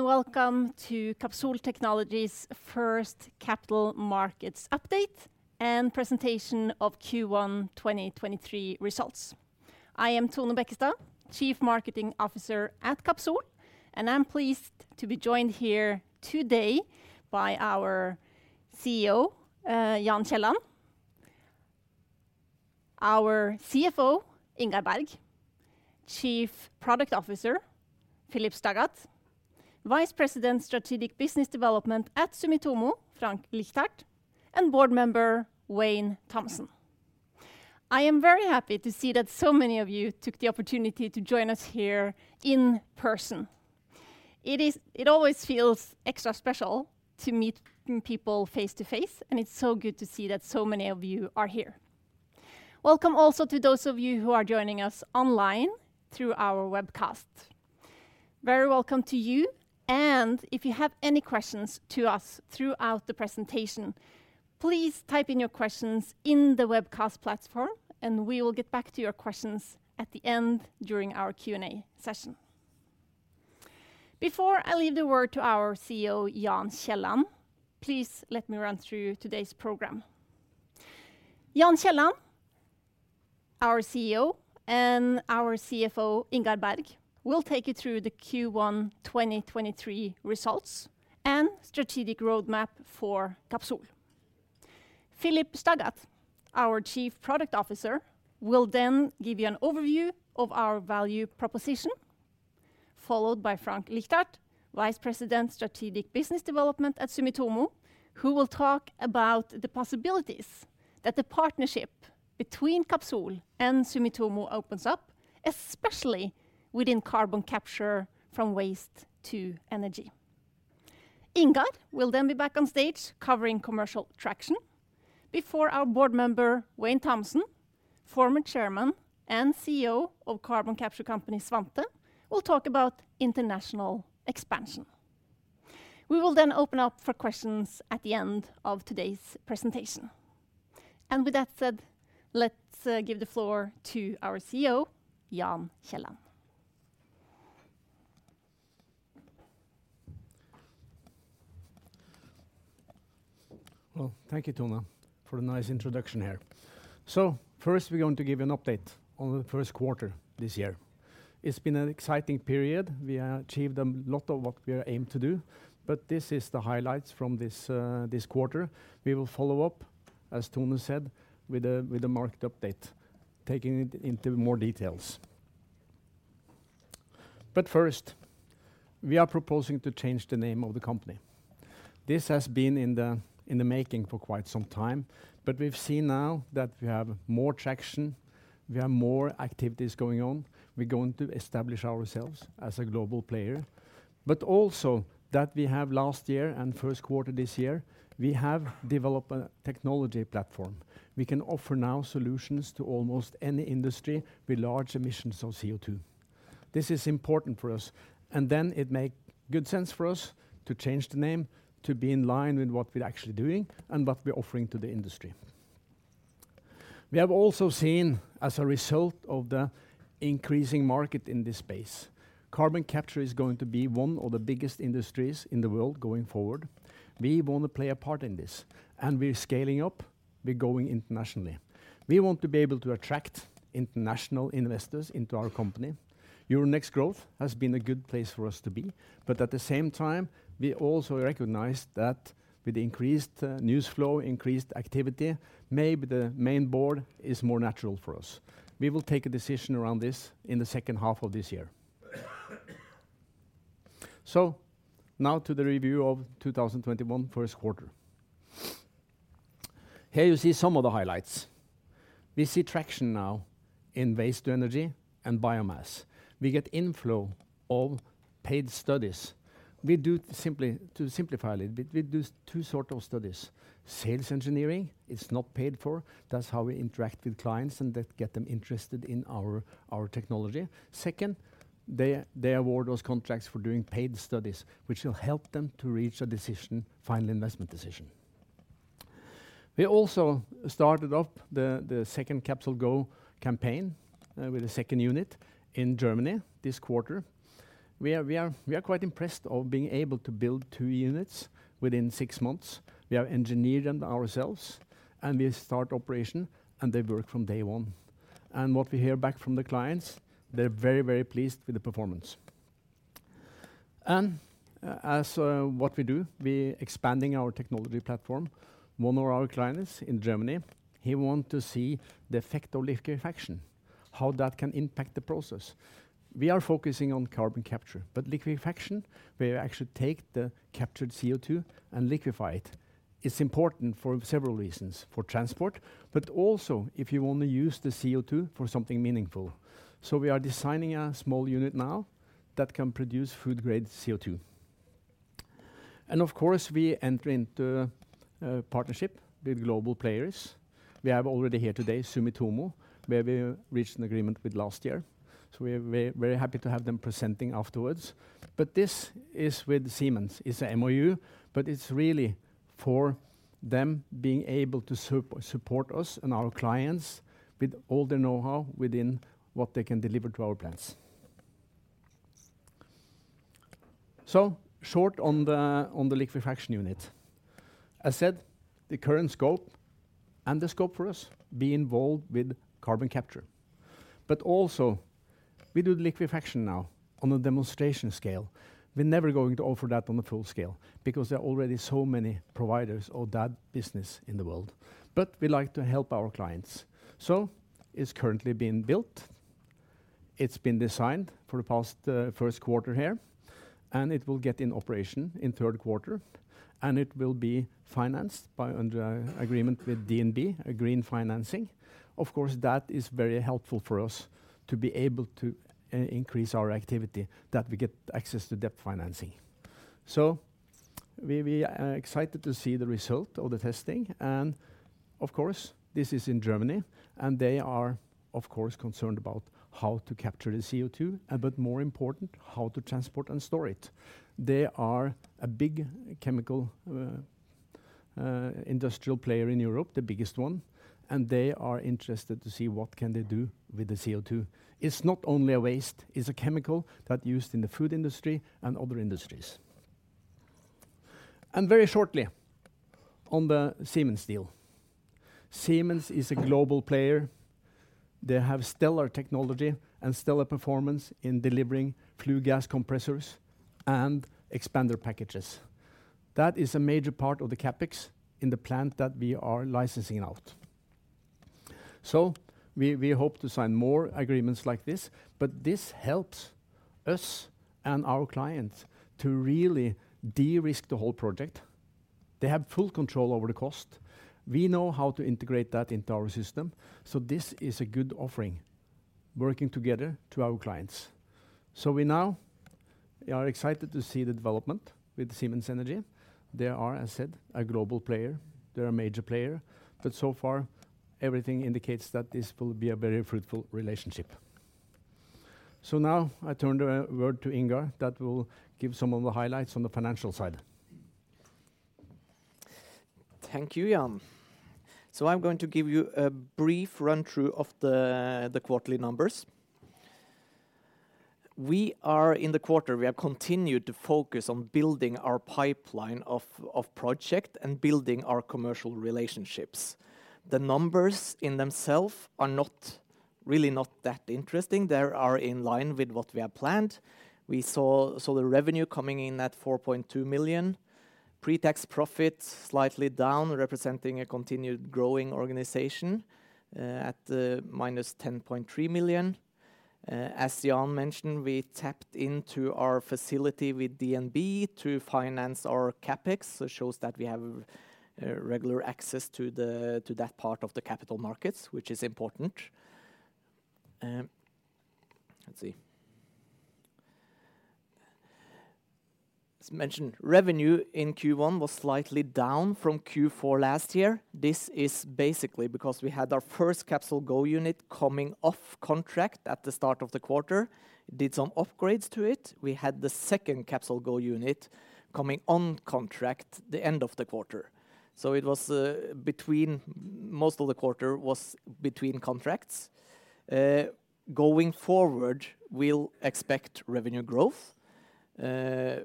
Hello, welcome to Capsol Technologies first capital markets update and presentation of Q1 2023 results. I am Tone Bekkestad, Chief Marketing Officer at Capsol, and I'm pleased to be joined here today by our CEO, Jan Kielland; our CFO, Ingar Bergh; Chief Product Officer, Philipp Staggat; Vice President Strategic Business Development at Sumitomo, Frank Ligthart; and Board Member, Wayne Thomson. I am very happy to see that so many of you took the opportunity to join us here in person. It always feels extra special to meet people face-to-face, and it's so good to see that so many of you are here. Welcome also to those of you who are joining us online through our webcast. Very welcome to you. If you have any questions to us throughout the presentation, please type in your questions in the webcast platform, and we will get back to your questions at the end during our Q&A session. Before I leave the word to our CEO, Jan Kielland, please let me run through today's program. Jan Kielland, our CEO, and our CFO, Ingar Bergh, will take you through the Q1 2023 results and strategic roadmap for Capsol. Philipp Staggat, our Chief Product Officer, will then give you an overview of our value proposition, followed by Frank Ligthart, Vice President Strategic Business Development at Sumitomo, who will talk about the possibilities that the partnership between Capsol and Sumitomo opens up, especially within carbon capture from waste to energy. Ingar will then be back on stage covering commercial traction before our board member, Wayne Thomson, former Chairman and CEO of carbon capture company, Svante, will talk about international expansion. We will then open up for questions at the end of today's presentation. With that said, let's give the floor to our CEO, Jan Kielland. Thank you, Tone, for a nice introduction here. First, we're going to give you an update on the first quarter this year. It's been an exciting period. We have achieved a lot of what we aim to do, but this is the highlights from this quarter. We will follow up, as Tone said, with a market update, taking it into more details. First, we are proposing to change the name of the company. This has been in the making for quite some time, but we've seen now that we have more traction, we have more activities going on. We're going to establish ourselves as a global player. Also that we have last year and first quarter this year, we have developed a technology platform. We can offer now solutions to almost any industry with large emissions of CO2. This is important for us, it make good sense for us to change the name to be in line with what we're actually doing and what we're offering to the industry. We have also seen, as a result of the increasing market in this space, carbon capture is going to be one of the biggest industries in the world going forward. We want to play a part in this, we're scaling up, we're going internationally. We want to be able to attract international investors into our company. Euronext Growth has been a good place for us to be, at the same time, we also recognize that with increased news flow, increased activity, maybe the main board is more natural for us. We will take a decision around this in the second half of this year. Now to the review of 2021 first quarter. Here you see some of the highlights. We see traction now in waste to energy and biomass. We get inflow of paid studies. To simplify a little bit, we do two sort of studies. Sales engineering is not paid for. That's how we interact with clients and that get them interested in our technology. Second, they award us contracts for doing paid studies, which will help them to reach a decision, final investment decision. We also started off the second CapsolGo campaign with the second unit in Germany this quarter. We are quite impressed of being able to build two units within six months. We have engineered them ourselves, and we start operation, and they work from day one. What we hear back from the clients, they're very, very pleased with the performance. As what we do, we expanding our technology platform. One of our clients in Germany, he want to see the effect of liquefaction, how that can impact the process. We are focusing on carbon capture, but liquefaction, we actually take the captured CO2 and liquefy it. It's important for several reasons, for transport, but also if you want to use the CO2 for something meaningful. We are designing a small unit now that can produce food-grade CO2. Of course, we enter into a partnership with global players. We have already here today, Sumitomo, where we reached an agreement with last year. We're very happy to have them presenting afterwards. This is with Siemens. It's a MoU, but it's really for them being able to support us and our clients with all their knowhow within what they can deliver to our plants. Short on the liquefaction unit. As said, the current scope and the scope for us be involved with carbon capture. Also we do liquefaction now on a demonstration scale. We're never going to offer that on a full scale because there are already so many providers of that business in the world. We like to help our clients. It's currently being built. It's been designed for the past first quarter here, and it will get in operation in third quarter, and it will be financed under our agreement with DNB, a green financing. Of course, that is very helpful for us to be able to increase our activity, that we get access to debt financing. We are excited to see the result of the testing. Of course, this is in Germany, and they are, of course, concerned about how to capture the CO2, but more important, how to transport and store it. They are a big chemical industrial player in Europe, the biggest one, and they are interested to see what can they do with the CO2. It's not only a waste, it's a chemical that used in the food industry and other industries. Very shortly on the Siemens deal. Siemens is a global player. They have stellar technology and stellar performance in delivering flue gas compressors and expander packages. That is a major part of the CapEx in the plant that we are licensing out. We hope to sign more agreements like this, but this helps us and our clients to really de-risk the whole project. They have full control over the cost. We know how to integrate that into our system, this is a good offering, working together to our clients. We now are excited to see the development with Siemens Energy. They are, as said, a global player. They're a major player, but so far everything indicates that this will be a very fruitful relationship. Now I turn the word to Ingar that will give some of the highlights on the financial side. Thank you, Jan. I'm going to give you a brief run-through of the quarterly numbers. In the quarter, we have continued to focus on building our pipeline of project and building our commercial relationships. The numbers in themselves are really not that interesting. They are in line with what we have planned. We saw the revenue coming in at 4.2 million. Pre-tax profit slightly down, representing a continued growing organization, at -10.3 million. As Jan mentioned, we tapped into our facility with DNB to finance our CapEx, it shows that we have regular access to that part of the capital markets, which is important. Let's see. As mentioned, revenue in Q1 was slightly down from Q4 last year. This is basically because we had our first CapsolGo unit coming off contract at the start of the quarter. Did some upgrades to it. We had the second CapsolGo unit coming on contract the end of the quarter. Most of the quarter was between contracts. Going forward, we'll expect revenue growth,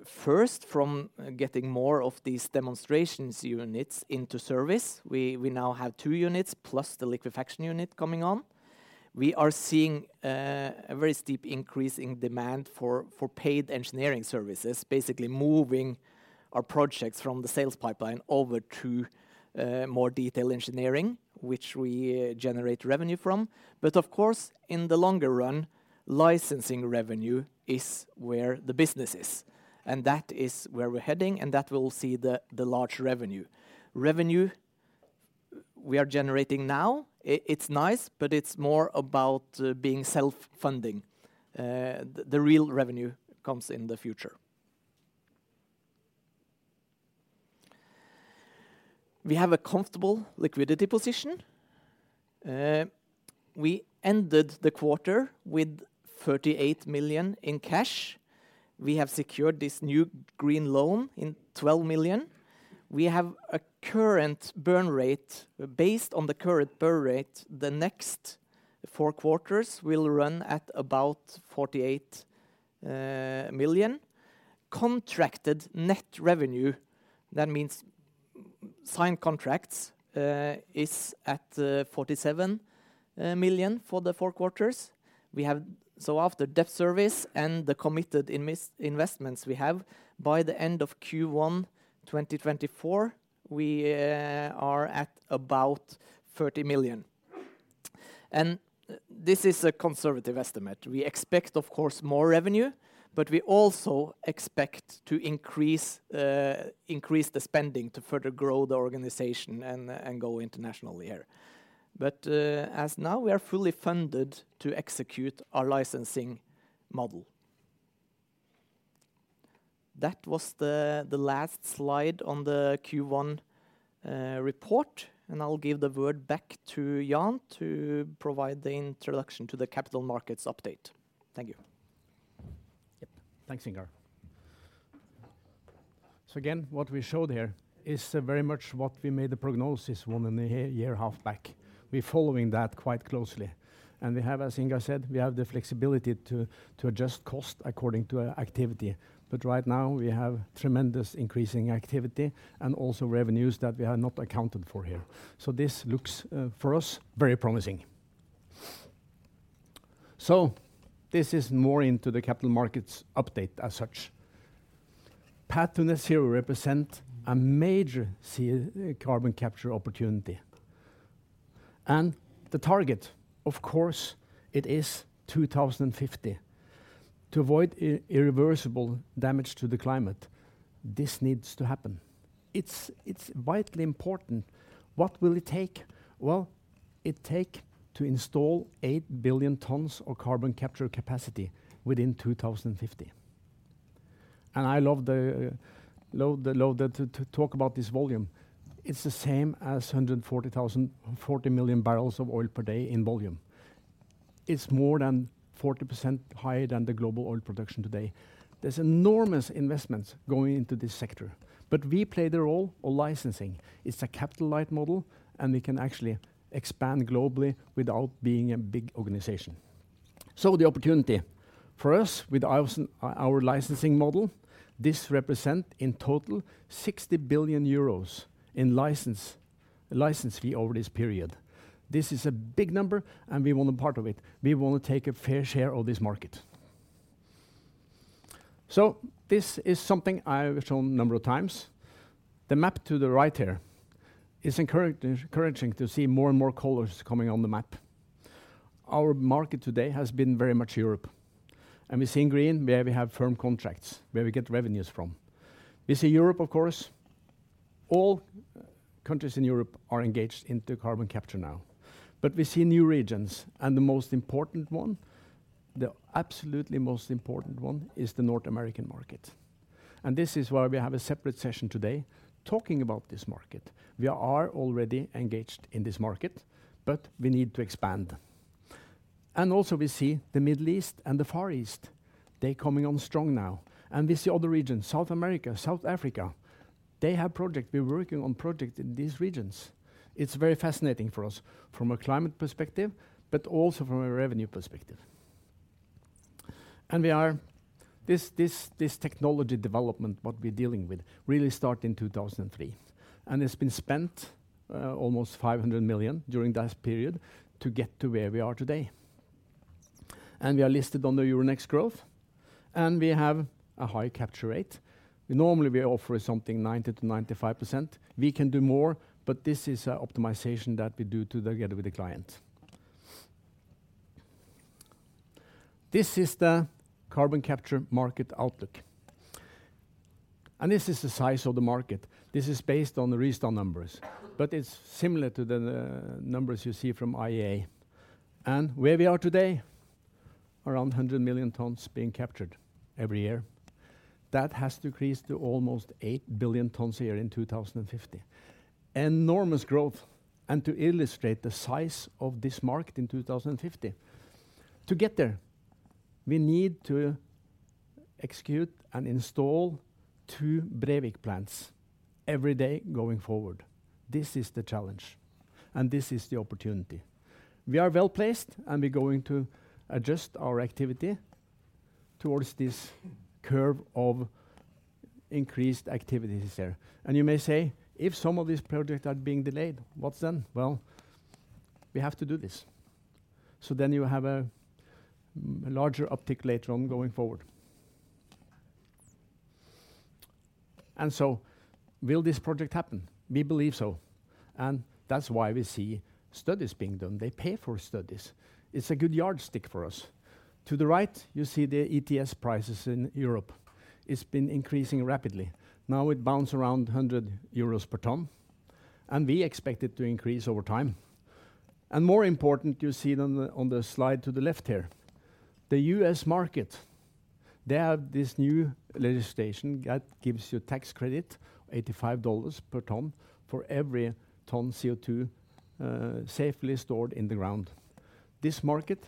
first from getting more of these demonstrations units into service. We now have two units plus the liquefaction unit coming on. We are seeing a very steep increase in demand for paid engineering services, basically moving our projects from the sales pipeline over to more detailed engineering, which we generate revenue from. Of course, in the longer run, licensing revenue is where the business is, and that is where we're heading, and that will see the large revenue. Revenue we are generating now, it's nice, but it's more about being self-funding. The real revenue comes in the future. We have a comfortable liquidity position. We ended the quarter with 38 million in cash. We have secured this new green loan in 12 million. Based on the current burn rate, the next four quarters will run at about 48 million. Contracted net revenue, that means signed contracts, is at 47 million for the four quarters. After debt service and the committed investments we have, by the end of Q1 2024, we are at about 30 million. This is a conservative estimate. We expect, of course, more revenue, but we also expect to increase the spending to further grow the organization and go internationally here. As now, we are fully funded to execute our licensing model. That was the last slide on the Q1 report. I'll give the word back to Jan to provide the introduction to the capital markets update. Thank you. Yep. Thanks, Ingar. Again, what we showed here is very much what we made the prognosis one in a year half back. We're following that quite closely, we have, as Ingar said, we have the flexibility to adjust cost according to activity. Right now, we have tremendous increasing activity and also revenues that we have not accounted for here. This looks for us, very promising. This is more into the capital markets update as such. Path to net zero represent a major carbon capture opportunity. The target, of course, it is 2050. To avoid irreversible damage to the climate, this needs to happen. It's vitally important. What will it take? It take to install 8 billion tonnes of carbon capture capacity within 2050. I love the to talk about this volume. It's the same as 40 million barrels of oil per day in volume. It's more than 40% higher than the global oil production today. There's enormous investments going into this sector, but we play the role of licensing. It's a capital-light model, and we can actually expand globally without being a big organization. The opportunity for us with our licensing model, this represent in total 60 billion euros in license fee over this period. This is a big number, and we want a part of it. We wanna take a fair share of this market. This is something I've shown a number of times. The map to the right here, it's encouraging to see more and more colors coming on the map. Our market today has been very much Europe. We see in green where we have firm contracts, where we get revenues from. We see Europe, of course. All countries in Europe are engaged into carbon capture now, but we see new regions. The most important one, the absolutely most important one, is the North American market. This is why we have a separate session today talking about this market. We are already engaged in this market, but we need to expand. Also, we see the Middle East and the Far East, they coming on strong now. We see other regions, South America, South Africa, they have projects. We're working on projects in these regions. It's very fascinating for us from a climate perspective, but also from a revenue perspective. We are...this technology development, what we're dealing with, really start in 2003, it's been spent almost 500 million during this period to get to where we are today. We are listed on the Euronext Growth, and we have a high capture rate. We normally offer something 90%-95%. We can do more, but this is a optimization that we do together with the client. This is the carbon capture market outlook. This is the size of the market. This is based on the Rystad numbers, but it's similar to the numbers you see from IEA. Where we are today, around 100 million tonnes being captured every year. That has to increase to almost 8 billion tonnes a year in 2050. Enormous growth. To illustrate the size of this market in 2050, to get there, we need to execute and install two Brevik plants every day going forward. This is the challenge, and this is the opportunity. We are well-placed, and we're going to adjust our activity towards this curve of increased activities there. You may say, "If some of these projects are being delayed, what's then?" Well, we have to do this. You have a larger uptick later on going forward. Will this project happen? We believe so, and that's why we see studies being done. They pay for studies. It's a good yardstick for us. To the right, you see the ETS prices in Europe. It's been increasing rapidly. Now it bounce around 100 euros per tonne, and we expect it to increase over time. More important, you see it on the slide to the left here. The U.S. market, they have this new legislation that gives you tax credit, $85 per tonne, for every tonne CO2 safely stored in the ground. This market,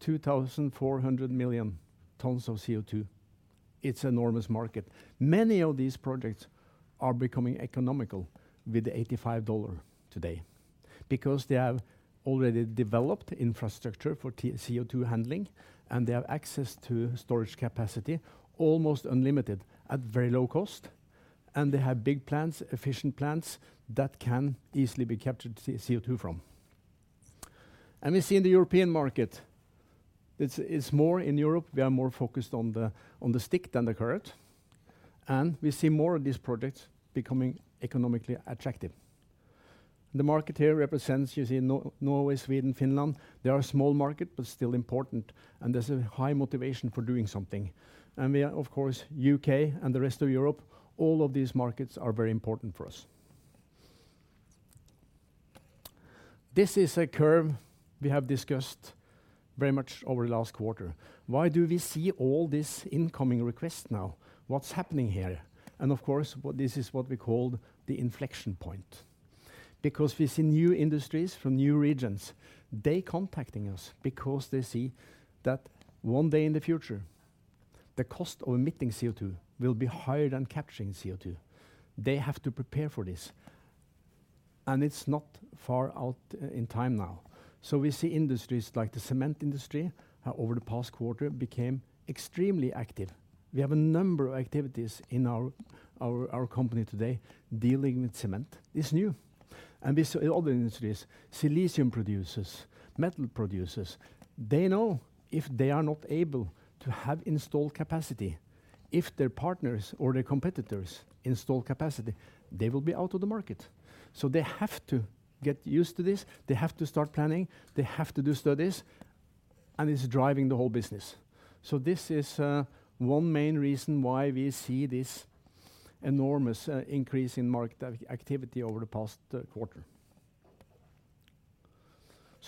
2,400 million tonnes of CO2. It's enormous market. Many of these projects are becoming economical with the $85 today because they have already developed infrastructure for CO2 handling, and they have access to storage capacity, almost unlimited, at very low cost, and they have big plants, efficient plants, that can easily be captured CO2 from. We see in the European market, it's more in Europe. We are more focused on the stick than the carrot, and we see more of these projects becoming economically attractive. The market here represents, you see, Norway, Sweden, Finland. They are a small market, but still important, and there's a high motivation for doing something. We are, of course, U.K. and the rest of Europe, all of these markets are very important for us. This is a curve we have discussed very much over the last quarter. Why do we see all this incoming requests now? What's happening here? Of course, this is what we call the inflection point. Because we see new industries from new regions, they contacting us because they see that one day in the future, the cost of emitting CO2 will be higher than capturing CO2. They have to prepare for this, and it's not far out in time now. We see industries like the cement industry, over the past quarter became extremely active. We have a number of activities in our company today dealing with cement. It's new. We saw in other industries, silicon producers, metal producers, they know if they are not able to have installed capacity, if their partners or their competitors install capacity, they will be out of the market. They have to get used to this. They have to start planning. They have to do studies, and it's driving the whole business. This is one main reason why we see this enormous increase in market activity over the past quarter.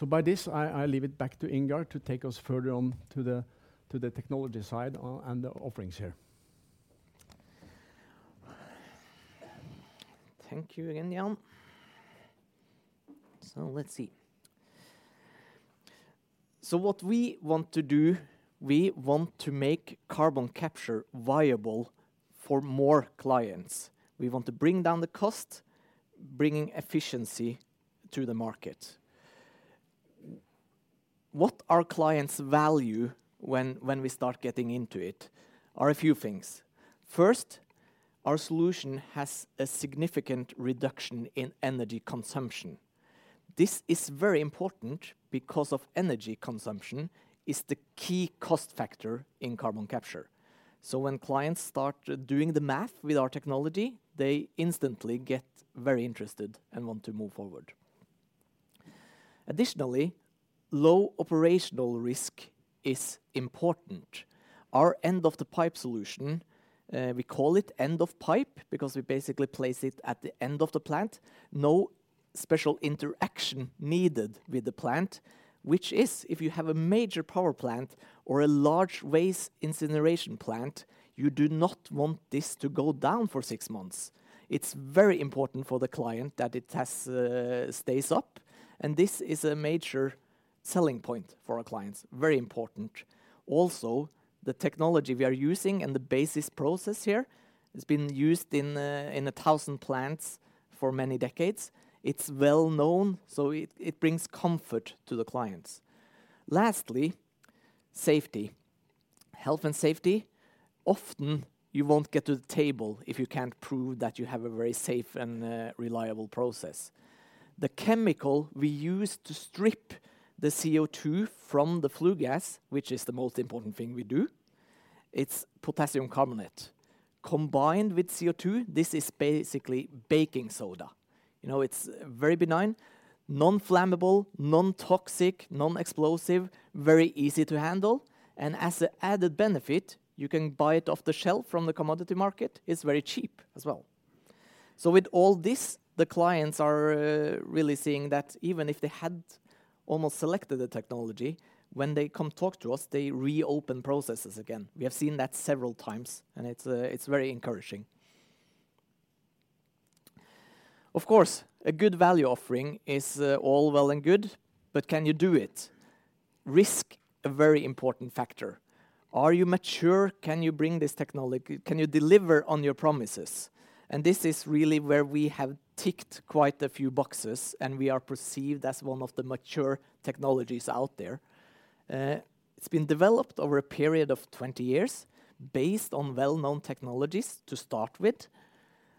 By this, I leave it back to Ingar to take us further on to the technology side, and the offerings here. Thank you again, Jan. Let's see. What we want to do, we want to make carbon capture viable for more clients. We want to bring down the cost, bringing efficiency to the market. What our clients value when we start getting into it are a few things. First, our solution has a significant reduction in energy consumption. This is very important because of energy consumption is the key cost factor in carbon capture. When clients start doing the math with our technology, they instantly get very interested and want to move forward. Additionally, low operational risk is important. Our end-of-pipe solution, we call it end of pipe because we basically place it at the end of the plant. No special interaction needed with the plant, which is if you have a major power plant or a large waste incineration plant, you do not want this to go down for six months. It's very important for the client that it stays up, and this is a major selling point for our clients. Very important. The technology we are using and the basis process here has been used in 1,000 plants for many decades. It's well-known, so it brings comfort to the clients. Lastly, safety. Health and safety, often you won't get to the table if you can't prove that you have a very safe and reliable process. The chemical we use to strip the CO2 from the flue gas, which is the most important thing we do, it's potassium carbonate. Combined with CO2, this is basically baking soda. You know, it's very benign, non-flammable, non-toxic, non-explosive, very easy to handle. As an added benefit, you can buy it off the shelf from the commodity market. It's very cheap as well. With all this, the clients are really seeing that even if they had almost selected the technology, when they come talk to us, they reopen processes again. We have seen that several times, and it's very encouraging. Of course, a good value offering is all well and good, but can you do it? Risk, a very important factor. Are you mature? Can you bring this technology? Can you deliver on your promises? This is really where we have ticked quite a few boxes, and we are perceived as one of the mature technologies out there. It's been developed over a period of 20 years based on well-known technologies to start with.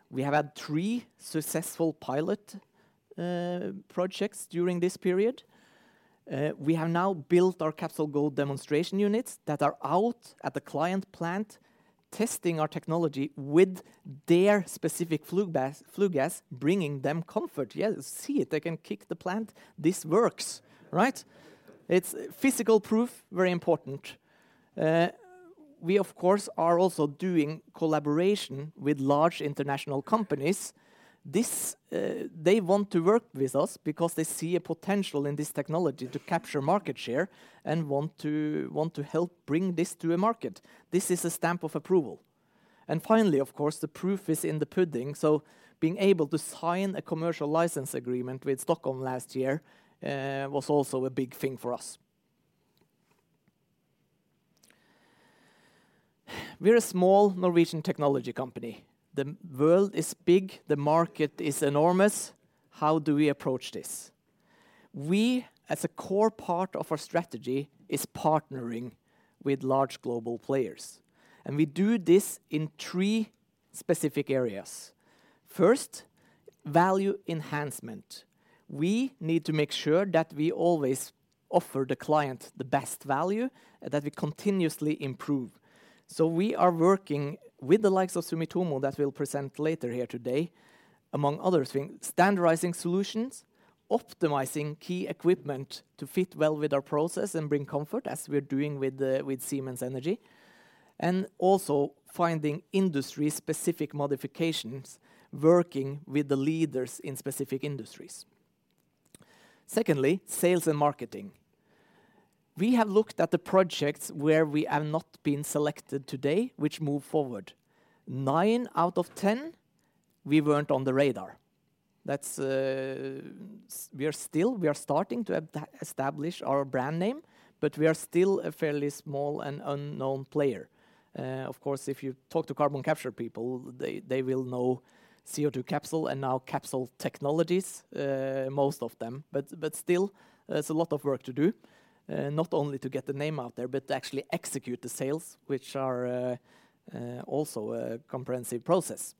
We have had three successful pilot projects during this period. We have now built our CapsolGo demonstration units that are out at the client plant, testing our technology with their specific flue gas, bringing them comfort. Yeah, see it. They can kick the plant. This works, right? It's physical proof, very important. We, of course, are also doing collaboration with large international companies. This, they want to work with us because they see a potential in this technology to capture market share and want to help bring this to a market. This is a stamp of approval. Finally, of course, the proof is in the pudding, being able to sign a commercial license agreement with Stockholm Exergi last year was also a big thing for us. We're a small Norwegian technology company. The world is big. The market is enormous. How do we approach this? We, as a core part of our strategy, is partnering with large global players, and we do this in three specific areas. First, value enhancement. We need to make sure that we always offer the client the best value, that we continuously improve. We are working with the likes of Sumitomo, that we'll present later here today, among other things, standardizing solutions, optimizing key equipment to fit well with our process and bring comfort as we're doing with Siemens Energy, and also finding industry-specific modifications, working with the leaders in specific industries. Secondly, sales and marketing. We have looked at the projects where we have not been selected today which move forward. Nine out of 10, we weren't on the radar. That's, we are still, we are starting to establish our brand name, but we are still a fairly small and unknown player. Of course, if you talk to carbon capture people, they will know CO2 Capsol and now Capsol Technologies, most of them. Still there's a lot of work to do, not only to get the name out there, but to actually execute the sales which are also a comprehensive process.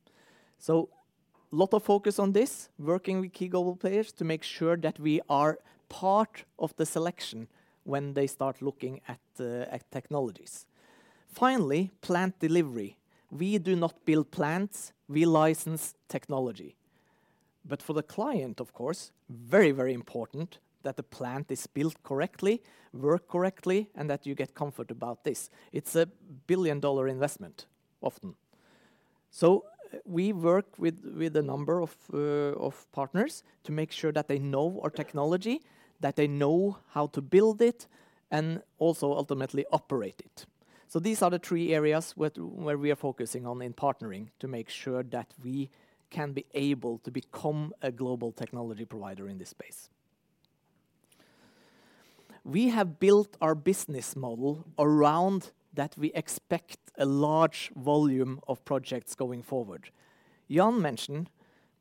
Lot of focus on this, working with key global players to make sure that we are part of the selection when they start looking at technologies. Finally, plant delivery. We do not build plants, we license technology. For the client, of course, very, very important that the plant is built correctly, work correctly, and that you get comfort about this. It's a billion-dollar investment, often. We work with a number of partners to make sure that they know our technology, that they know how to build it, and also ultimately operate it. These are the three areas where we are focusing on in partnering to make sure that we can be able to become a global technology provider in this space. We have built our business model around that we expect a large volume of projects going forward. Jan mentioned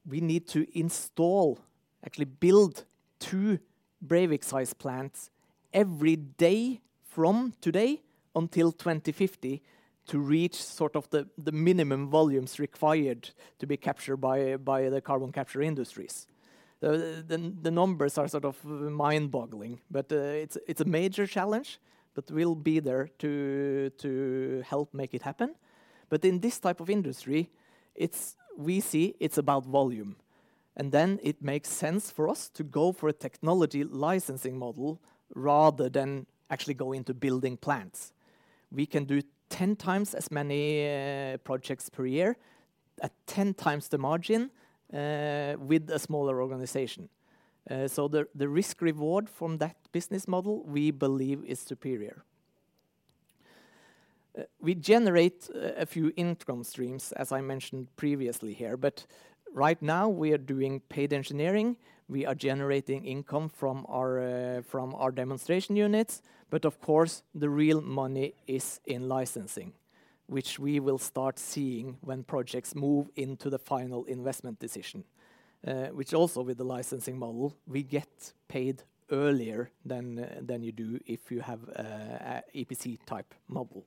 we need to install, actually build two Brevik-size plants every day from today until 2050 to reach sort of the minimum volumes required to be captured by the carbon capture industries. The numbers are sort of mind-boggling, but it's a major challenge, but we'll be there to help make it happen. In this type of industry, it's, we see it's about volume, and then it makes sense for us to go for a technology licensing model rather than actually go into building plants. We can do 10 times as many projects per year at 10 times the margin with a smaller organization. The risk reward from that business model, we believe is superior. We generate a few income streams, as I mentioned previously here. Right now we are doing paid engineering, we are generating income from our from our demonstration units, but of course, the real money is in licensing, which we will start seeing when projects move into the Final Investment Decision. Which also with the licensing model, we get paid earlier than than you do if you have a EPC-type model.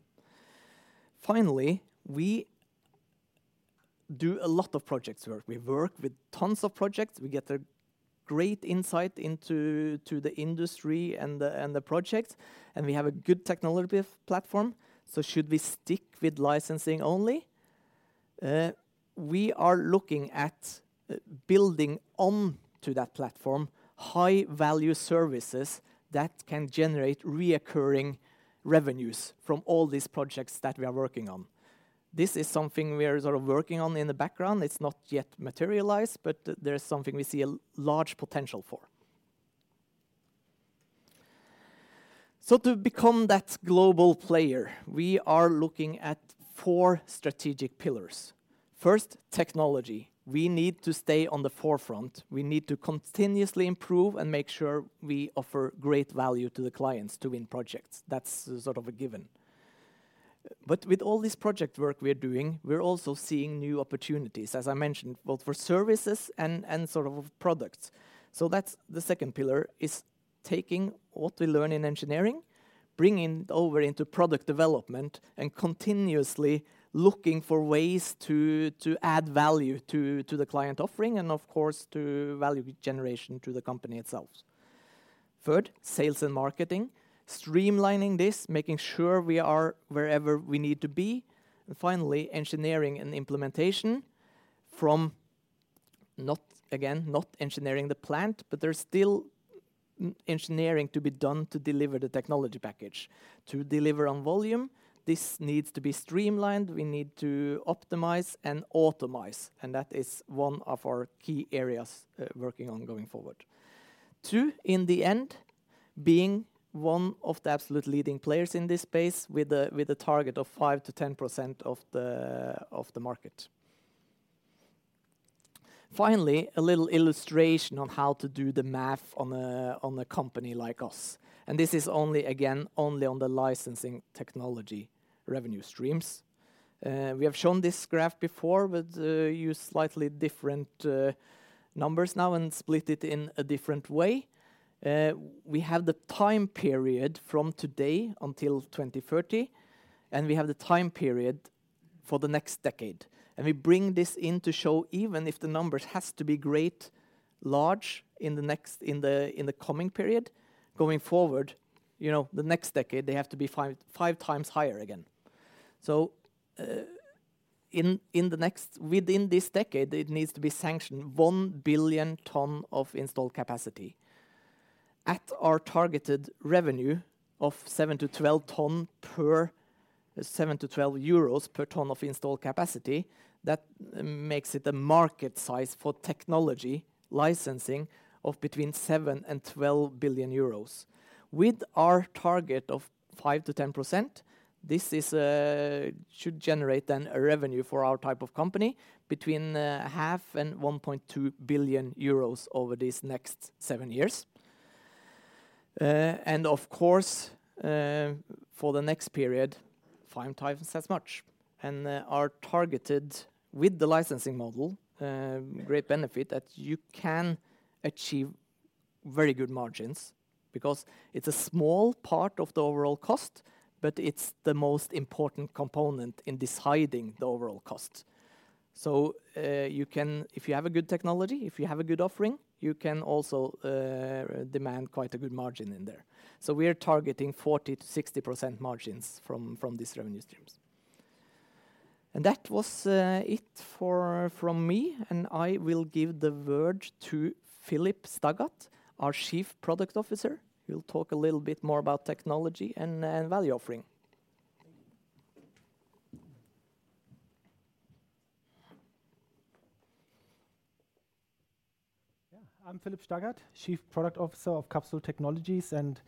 We do a lot of project work. We work with tons of projects. We get a great insight into the industry and the project, and we have a good technology platform. Should we stick with licensing only? We are looking at building on to that platform high-value services that can generate reoccurring revenues from all these projects that we are working on. This is something we are sort of working on in the background. It's not yet materialized, but there's something we see a large potential for. To become that global player, we are looking at four strategic pillars. First, technology. We need to stay on the forefront. We need to continuously improve and make sure we offer great value to the clients to win projects. That's sort of a given. With all this project work we're doing, we're also seeing new opportunities, as I mentioned, both for services and sort of products. That's the second pillar, is taking what we learn in engineering, bringing it over into product development, and continuously looking for ways to add value to the client offering and of course, to value generation to the company itself. Third, sales and marketing. Streamlining this, making sure we are wherever we need to be. Finally, engineering and implementation from not, again, not engineering the plant, but there's still engineering to be done to deliver the technology package. To deliver on volume, this needs to be streamlined, we need to optimize and automize, and that is one of our key areas working on going forward. Two. In the end, being one of the absolute leading players in this space with a target of 5%-10% of the market. Finally, a little illustration on how to do the math on a company like us, and this is only, again, only on the licensing technology revenue streams. We have shown this graph before, but use slightly different numbers now and split it in a different way. We have the time period from today until 2030, and we have the time period for the next decade. We bring this in to show even if the numbers has to be great, large in the coming period, going forward, you know, the next decade, they have to be 5 times higher again. within this decade, it needs to be sanctioned 1 billion tonnes of installed capacity. At our targeted revenue of 7-12 per tonne of installed capacity, that makes it a market size for technology licensing of between 7 billion-12 billion euros. With our target of 5%-10%, this is, should generate then a revenue for our type of company between half and 1.2 billion euros over these next seven years. Of course, for the next period, five times as much. Our targeted with the licensing model, great benefit that you can achieve very good margins because it's a small part of the overall cost, but it's the most important component in deciding the overall cost. If you have a good technology, if you have a good offering, you can also demand quite a good margin in there. We are targeting 40%-60% margins from these revenue streams. That was it for me, and I will give the verge to Philipp Staggat, our Chief Product Officer, who'll talk a little bit more about technology and value offering. I'm Philipp Staggat, Chief Product Officer of Capsol Technologies, and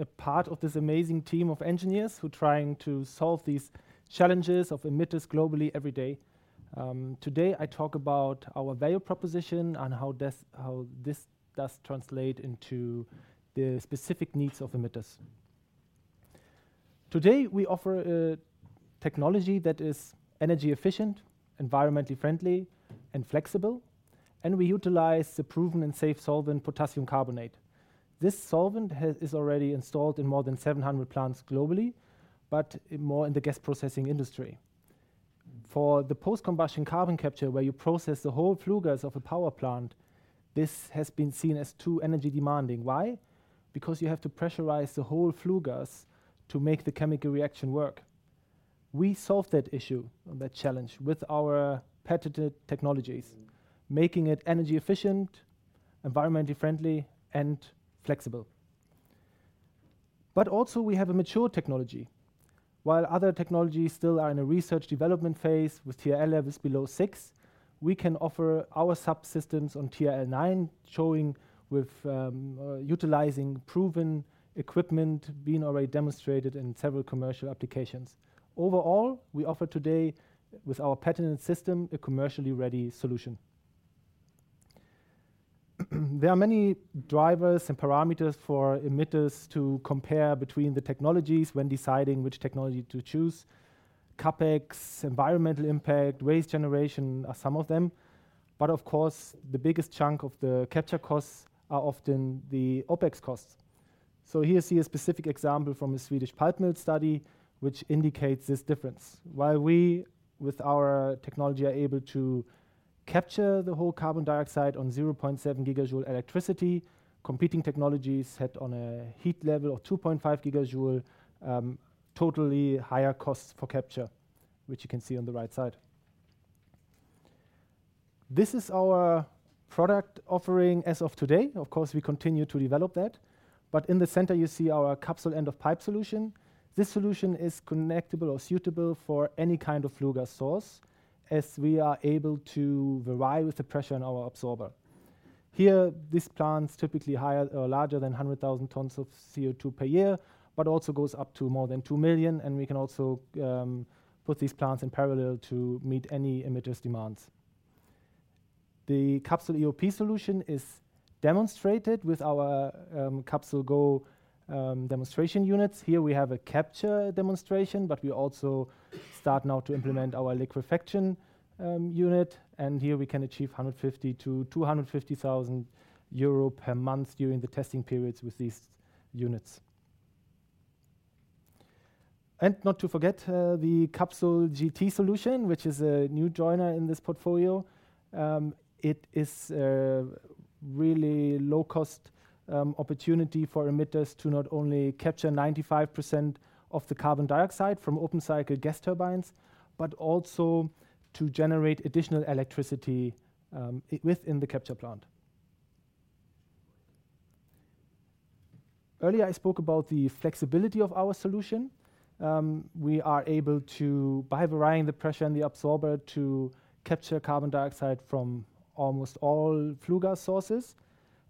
a part of this amazing team of engineers who trying to solve these challenges of emitters globally every day. Today, I talk about our value proposition and how this does translate into the specific needs of emitters. Today, we offer a technology that is energy efficient, environmentally friendly, and flexible, and we utilize the proven and safe solvent potassium carbonate. This solvent is already installed in more than 700 plants globally, but more in the gas processing industry. For the post-combustion carbon capture, where you process the whole flue gas of a power plant, this has been seen as too energy demanding. Why? You have to pressurize the whole flue gas to make the chemical reaction work. We solve that issue, that challenge, with our patented technologies, making it energy efficient, environmentally friendly, and flexible. Also, we have a mature technology. While other technologies still are in a research development phase with TRL levels below 6, we can offer our subsystems on TRL 9, showing with utilizing proven equipment being already demonstrated in several commercial applications. Overall, we offer today, with our patented system, a commercially ready solution. There are many drivers and parameters for emitters to compare between the technologies when deciding which technology to choose. CapEx, environmental impact, waste generation are some of them, but of course, the biggest chunk of the capture costs are often the OpEx costs. Here see a specific example from a Swedish pulp mill study which indicates this difference. While we, with our technology, are able to capture the whole carbon dioxide on 0.7 GJ electricity, competing technologies set on a heat level of 2.5 GJ, totally higher costs for capture, which you can see on the right side. This is our product offering as of today. Of course, we continue to develop that. In the center, you see our Capsol End-of-Pipe solution. This solution is connectable or suitable for any kind of flue gas source, as we are able to vary with the pressure in our absorber. Here, these plants typically higher or larger than 100,000 tonnes of CO2 per year, but also goes up to more than 2 million, and we can also put these plants in parallel to meet any emitters' demands. The CapsolEoP solution is demonstrated with our CapsolGo demonstration units. Here we have a capture demonstration, but we also start now to implement our liquefaction unit. Here we can achieve 150,000-250,000 euro per month during the testing periods with these units. Not to forget, the CapsolGT solution, which is a new joiner in this portfolio. It is a really low cost opportunity for emitters to not only capture 95% of the carbon dioxide from open-cycle gas turbines, but also to generate additional electricity within the capture plant. Earlier, I spoke about the flexibility of our solution. We are able to, by varying the pressure in the absorber, to capture carbon dioxide from almost all flue gas sources.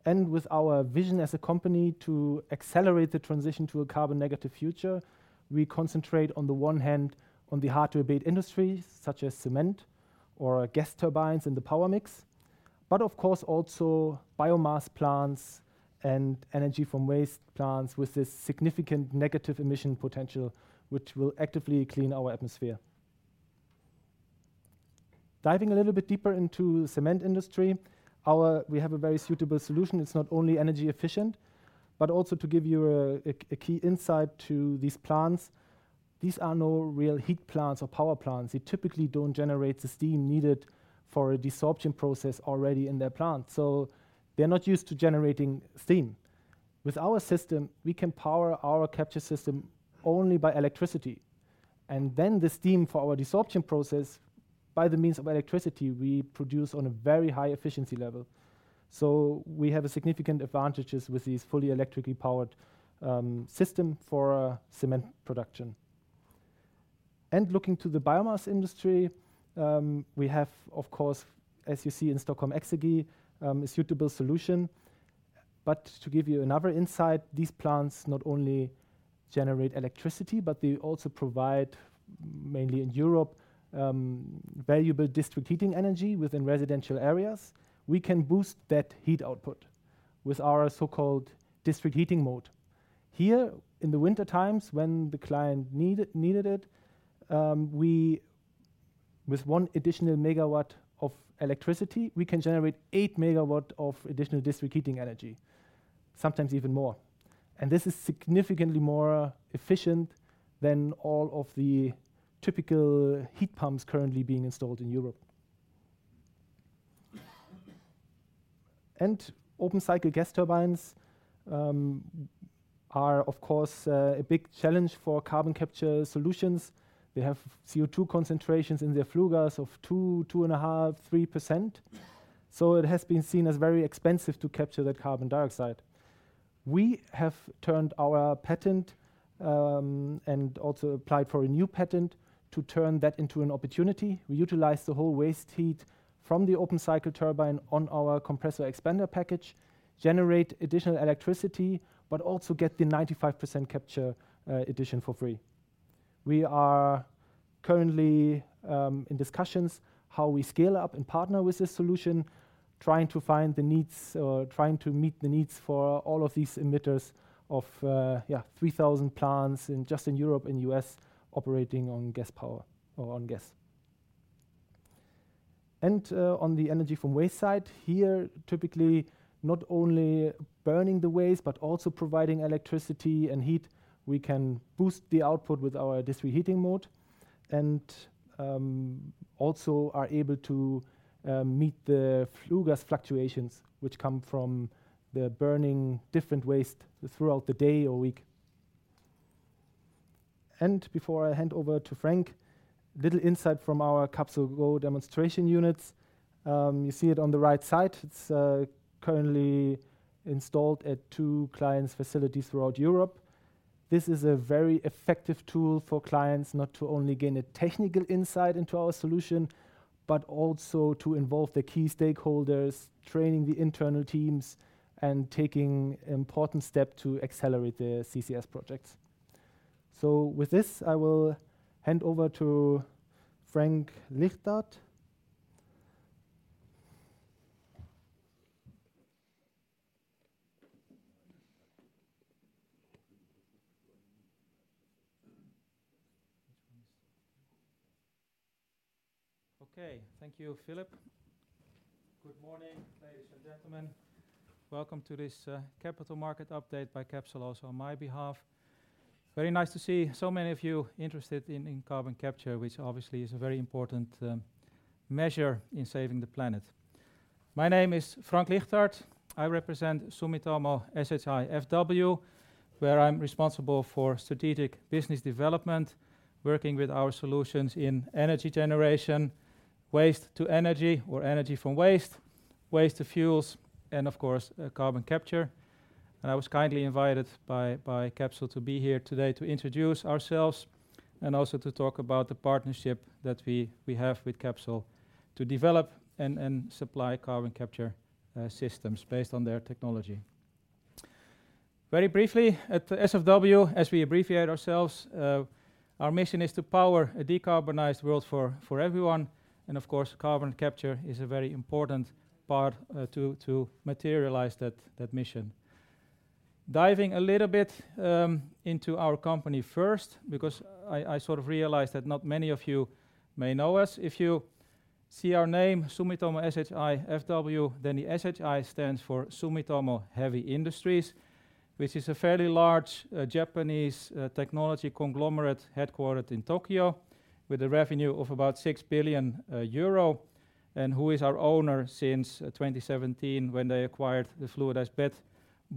With our vision as a company to accelerate the transition to a carbon negative future, we concentrate on the one hand on the hard-to-abate industries such as cement or gas turbines in the power mix, but of course also biomass plants and energy from waste plants with this significant negative emission potential, which will actively clean our atmosphere. Diving a little bit deeper into cement industry, we have a very suitable solution. It's not only energy efficient, but also to give you a key insight to these plants, these are no real heat plants or power plants. They typically don't generate the steam needed for a desorption process already in their plant, so they're not used to generating steam. With our system, we can power our capture system only by electricity, and then the steam for our desorption process. By the means of electricity, we produce on a very high efficiency level. We have a significant advantages with these fully electrically powered system for cement production. Looking to the biomass industry, we have, of course, as you see in Stockholm Exergi, a suitable solution. To give you another insight, these plants not only generate electricity, but they also provide, mainly in Europe, valuable district heating energy within residential areas. We can boost that heat output with our so-called district heating mode. Here, in the winter times when the client needed it, with 1 additional megawatt of electricity, we can generate 8 MW of additional district heating energy, sometimes even more. This is significantly more efficient than all of the typical heat pumps currently being installed in Europe. Open-cycle gas turbines are, of course, a big challenge for carbon capture solutions. They have CO2 concentrations in their flue gas of 2.5%, 3%, so it has been seen as very expensive to capture that carbon dioxide. We have turned our patent and also applied for a new patent to turn that into an opportunity. We utilize the whole waste heat from the open-cycle turbine on our compressor expander package, generate additional electricity, but also get the 95% capture addition for free. We are currently in discussions how we scale up and partner with this solution, trying to find the needs or trying to meet the needs for all of these emitters of 3,000 plants just in Europe and U.S. operating on gas power or on gas. On the energy from waste side, here, typically not only burning the waste, but also providing electricity and heat, we can boost the output with our district heating mode and also are able to meet the flue gas fluctuations which come from the burning different waste throughout the day or week. Before I hand over to Frank, little insight from our CapsolGo demonstration units. You see it on the right side. It's currently installed at two clients' facilities throughout Europe. This is a very effective tool for clients not to only gain a technical insight into our solution, but also to involve the key stakeholders, training the internal teams, and taking important step to accelerate their CCS projects. With this, I will hand over to Frank Ligthart. Okay. Thank you, Philipp. Good morning, ladies and gentlemen. Welcome to this capital market update by Capsol. Also on my behalf, very nice to see so many of you interested in carbon capture, which obviously is a very important measure in saving the planet. My name is Frank Ligthart. I represent Sumitomo SHI FW, where I'm responsible for strategic business development, working with our solutions in energy generation, waste to energy or energy from waste to fuels, and of course, carbon capture. I was kindly invited by Capsol to be here today to introduce ourselves and also to talk about the partnership that we have with Capsol to develop and supply carbon capture systems based on their technology. Very briefly, at the SFW, as we abbreviate ourselves, our mission is to power a decarbonized world for everyone, and of course, carbon capture is a very important part to materialize that mission. Diving a little bit into our company first because I sort of realized that not many of you may know us. If you see our name, Sumitomo SHI FW, then the SHI stands for Sumitomo Heavy Industries, which is a fairly large Japanese technology conglomerate headquartered in Tokyo with a revenue of about 6 billion euro, and who is our owner since 2017 when they acquired the fluidized bed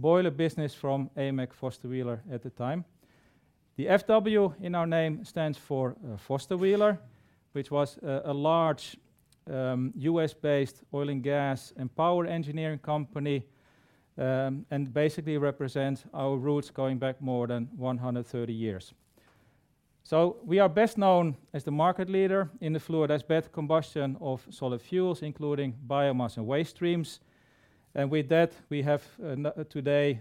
boiler business from Amec Foster Wheeler at the time. The FW in our name stands for Foster Wheeler, which was a large U.S.-based oil and gas and power engineering company, and basically represents our roots going back more than 130 years. We are best known as the market leader in the fluidized bed combustion of solid fuels, including biomass and waste streams. With that, we have today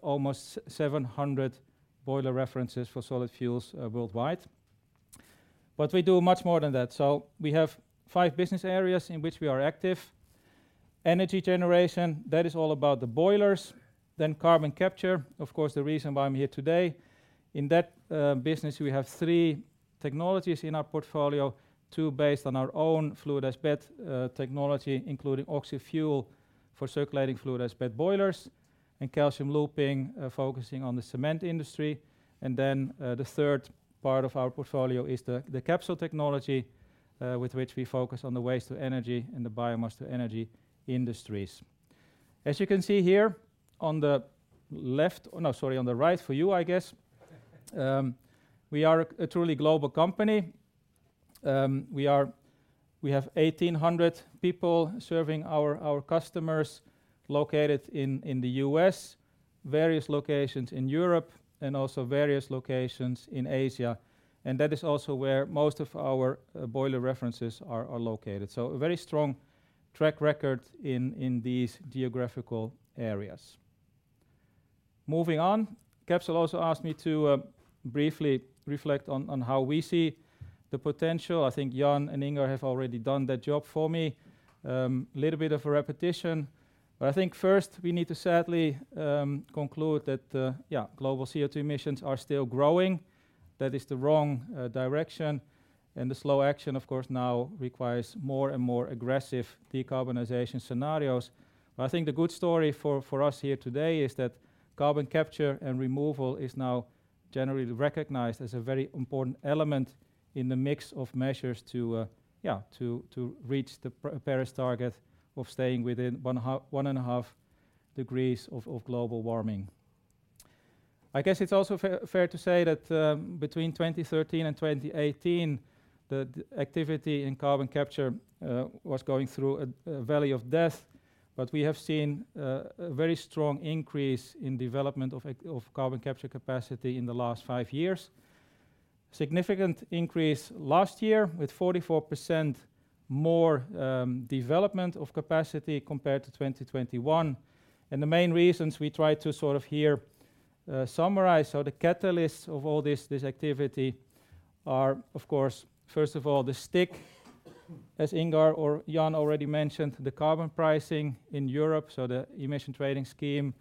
almost 700 boiler references for solid fuels worldwide. We do much more than that. We have five business areas in which we are active. Energy generation, that is all about the boilers. Carbon capture, of course, the reason why I'm here today. In that business, we have three technologies in our portfolio, two based on our own fluidized bed technology, including oxy-fuel for circulating fluidized bed boilers and calcium looping, focusing on the cement industry. The third part of our portfolio is the Capsol technology, with which we focus on the waste to energy and the biomass to energy industries. As you can see here, on the left—oh, no, sorry, on the right for you, I guess. We are a truly global company. We have 1,800 people serving our customers located in the U.S., various locations in Europe, and also various locations in Asia. That is also where most of our boiler references are located. A very strong track record in these geographical areas. Moving on, Capsol also asked me to briefly reflect on how we see the potential. I think Jan and Ingar have already done that job for me. Little bit of a repetition, but I think first we need to sadly conclude that global CO2 emissions are still growing. That is the wrong direction, and the slow action, of course, now requires more and more aggressive decarbonization scenarios. I think the good story for us here today is that carbon capture and removal is now generally recognized as a very important element in the mix of measures to reach the Paris target of staying within 1.5 degrees of global warming. I guess it's also fair to say that between 2013 and 2018, the activity in carbon capture was going through a valley of death, but we have seen a very strong increase in development of carbon capture capacity in the last five years. Significant increase last year with 44% more development of capacity compared to 2021. The main reasons we try to sort of here summarize, so the catalysts of all this activity are, of course, first of all, the stick, as Ingar or Jan already mentioned, the carbon pricing in Europe, so the emissions-trading system,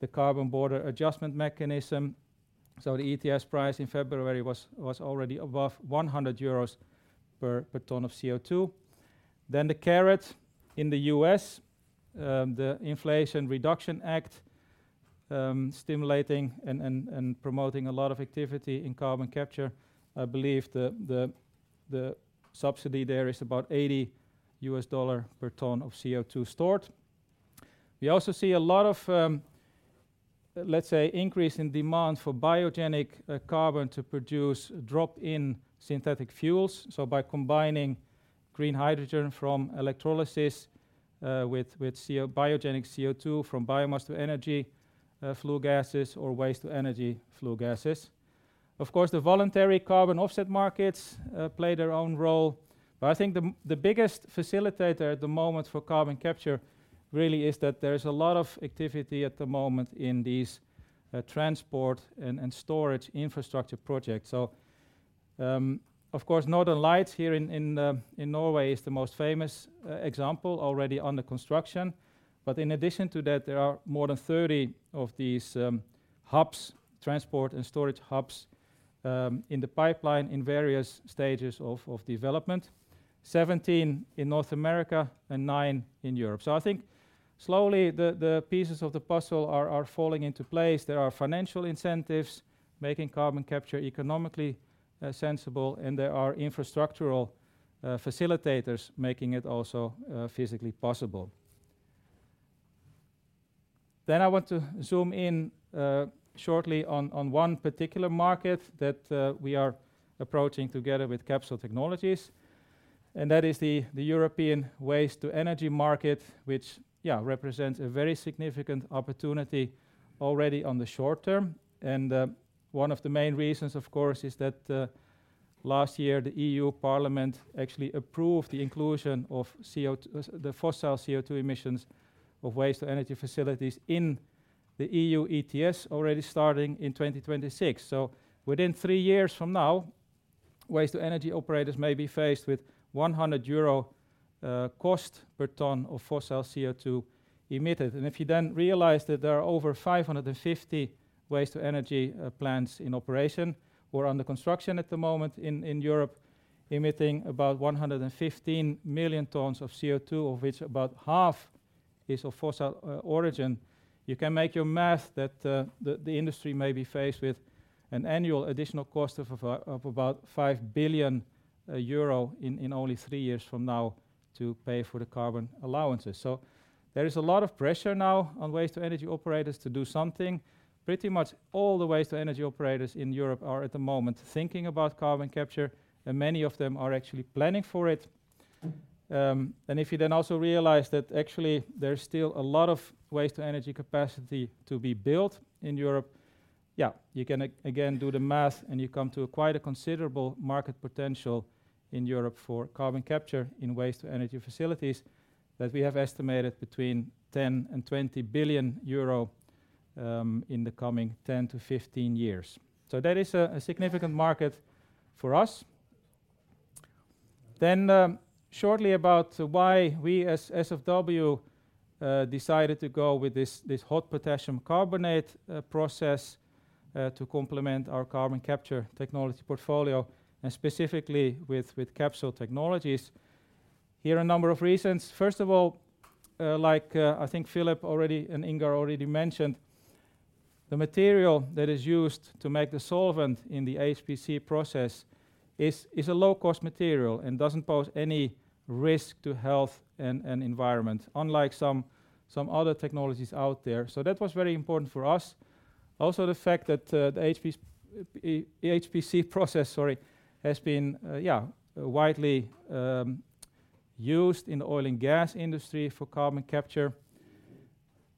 the Carbon Border Adjustment Mechanism. The ETS price in February was already above 100 euros per tonne of CO2. The carrot in the U.S., the Inflation Reduction Act, stimulating and promoting a lot of activity in carbon capture. I believe the subsidy there is about $80 per tonne of CO2 stored. We also see a lot of, let's say, increase in demand for biogenic carbon to produce drop-in synthetic fuels, so by combining green hydrogen from electrolysis with biogenic CO2 from biomass to energy flue gases or waste-to-energy flue gases. Of course, the voluntary carbon offset markets play their own role, but I think the biggest facilitator at the moment for carbon capture really is that there is a lot of activity at the moment in these transport and storage infrastructure projects. Of course, Northern Lights here in Norway is the most famous example already under construction. In addition to that, there are more than 30 of these hubs, transport and storage hubs, in the pipeline in various stages of development, 17 in North America and nine in Europe. I think slowly the pieces of the puzzle are falling into place. There are financial incentives making carbon capture economically sensible, and there are infrastructural facilitators making it also physically possible. I want to zoom in shortly on one particular market that we are approaching together with Capsol Technologies, and that is the European waste-to-energy market, which represents a very significant opportunity already on the short term. One of the main reasons, of course, is that last year, the EU parliament actually approved the inclusion of the fossil CO2 emissions of waste-to-energy facilities in the EU ETS already starting in 2026. Within three years from now, waste-to-energy operators may be faced with 100 euro cost per tonne of fossil CO2 emitted. If you then realize that there are over 550 waste-to-energy plants in operation or under construction at the moment in Europe, emitting about 115 million tonnes of CO2, of which about half is of fossil origin, you can make your math that the industry may be faced with an annual additional cost of about 5 billion euro EUR in only three years from now to pay for the carbon allowances. There is a lot of pressure now on waste-to-energy operators to do something. Pretty much all the waste-to-energy operators in Europe are at the moment thinking about carbon capture, and many of them are actually planning for it. And if you then also realize that actually there's still a lot of waste-to-energy capacity to be built in Europe, yeah, you can again do the math, and you come to quite a considerable market potential in Europe for carbon capture in waste-to-energy facilities that we have estimated between 10 billion and 20 billion euro in the coming 10 to 15 years. That is a significant market for us. Shortly about why we as SFW decided to go with this hot potassium carbonate process to complement our carbon capture technology portfolio, and specifically with Capsol Technologies. Here are a number of reasons. First of all, like, I think Philipp already and Ingar already mentioned, the material that is used to make the solvent in the HPC process is a low-cost material and doesn't pose any risk to health and environment, unlike some other technologies out there. That was very important for us. The fact that the HPC, the HPC process, sorry, has been widely used in oil and gas industry for carbon capture.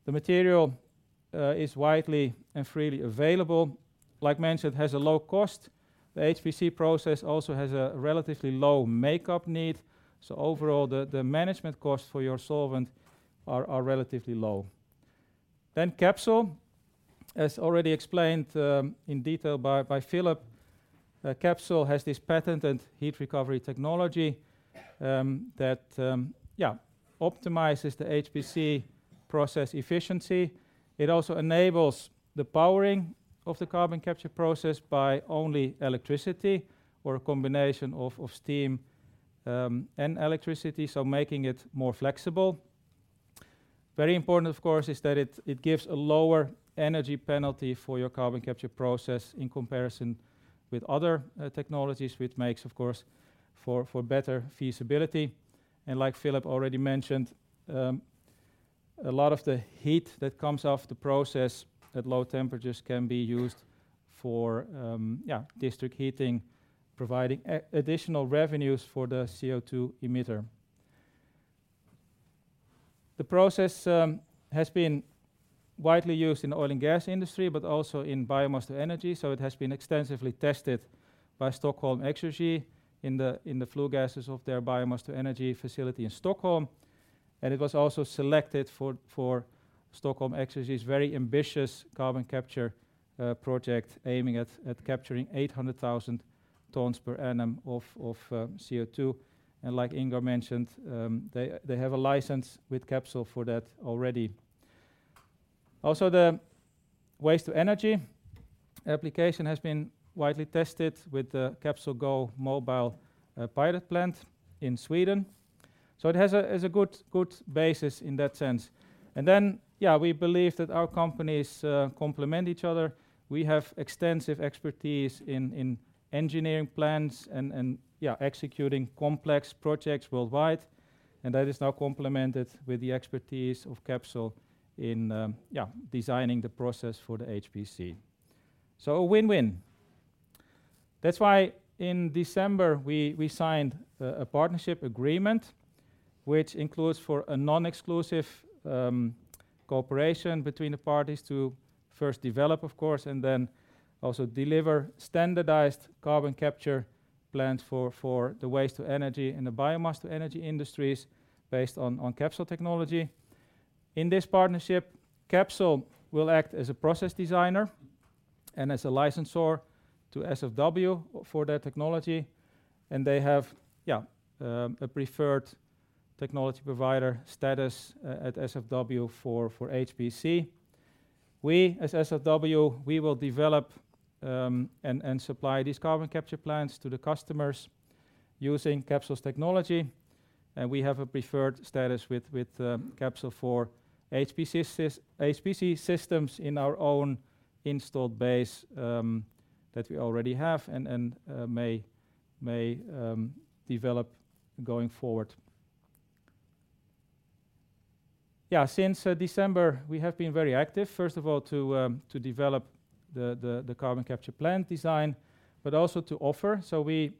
The material is widely and freely available. Like mentioned, has a low cost. The HPC process also has a relatively low makeup need, overall the management costs for your solvent are relatively low. Capsol, as already explained, in detail by Philipp, Capsol has this patented heat recovery technology that optimizes the HPC process efficiency. It also enables the powering of the carbon capture process by only electricity or a combination of steam and electricity, so making it more flexible. Very important, of course, is that it gives a lower energy penalty for your carbon capture process in comparison with other technologies, which makes, of course, for better feasibility. Like Philipp already mentioned, a lot of the heat that comes off the process at low temperatures can be used for district heating, providing additional revenues for the CO2 emitter. The process has been widely used in oil and gas industry, but also in biomass to energy, so it has been extensively tested by Stockholm Exergi in the flue gases of their biomass to energy facility in Stockholm. It was also selected for Stockholm Exergi's very ambitious carbon capture project aiming at capturing 800,000 tonnes per annum of CO2. Like Ingar mentioned, they have a license with Capsol for that already. Also, the waste to energy application has been widely tested with the CapsolGo mobile pilot plant in Sweden. It has a good basis in that sense. Yeah, we believe that our companies complement each other. We have extensive expertise in engineering plans and executing complex projects worldwide, and that is now complemented with the expertise of Capsol in designing the process for the HPC. A win-win. That's why in December, we signed a partnership agreement which includes for a non-exclusive cooperation between the parties to first develop, of course, and then also deliver standardized carbon capture plans for the waste to energy and the biomass to energy industries based on Capsol technology. In this partnership, Capsol will act as a process designer and as a licensor to SFW for that technology, and they have a preferred technology provider status at SFW for HPC. We, as SFW, we will develop and supply these carbon capture plans to the customers using Capsol's technology, and we have a preferred status with Capsol for HPC systems in our own installed base that we already have and may develop going forward. Since December, we have been very active, first of all, to develop the carbon capture plant design, but also to offer. We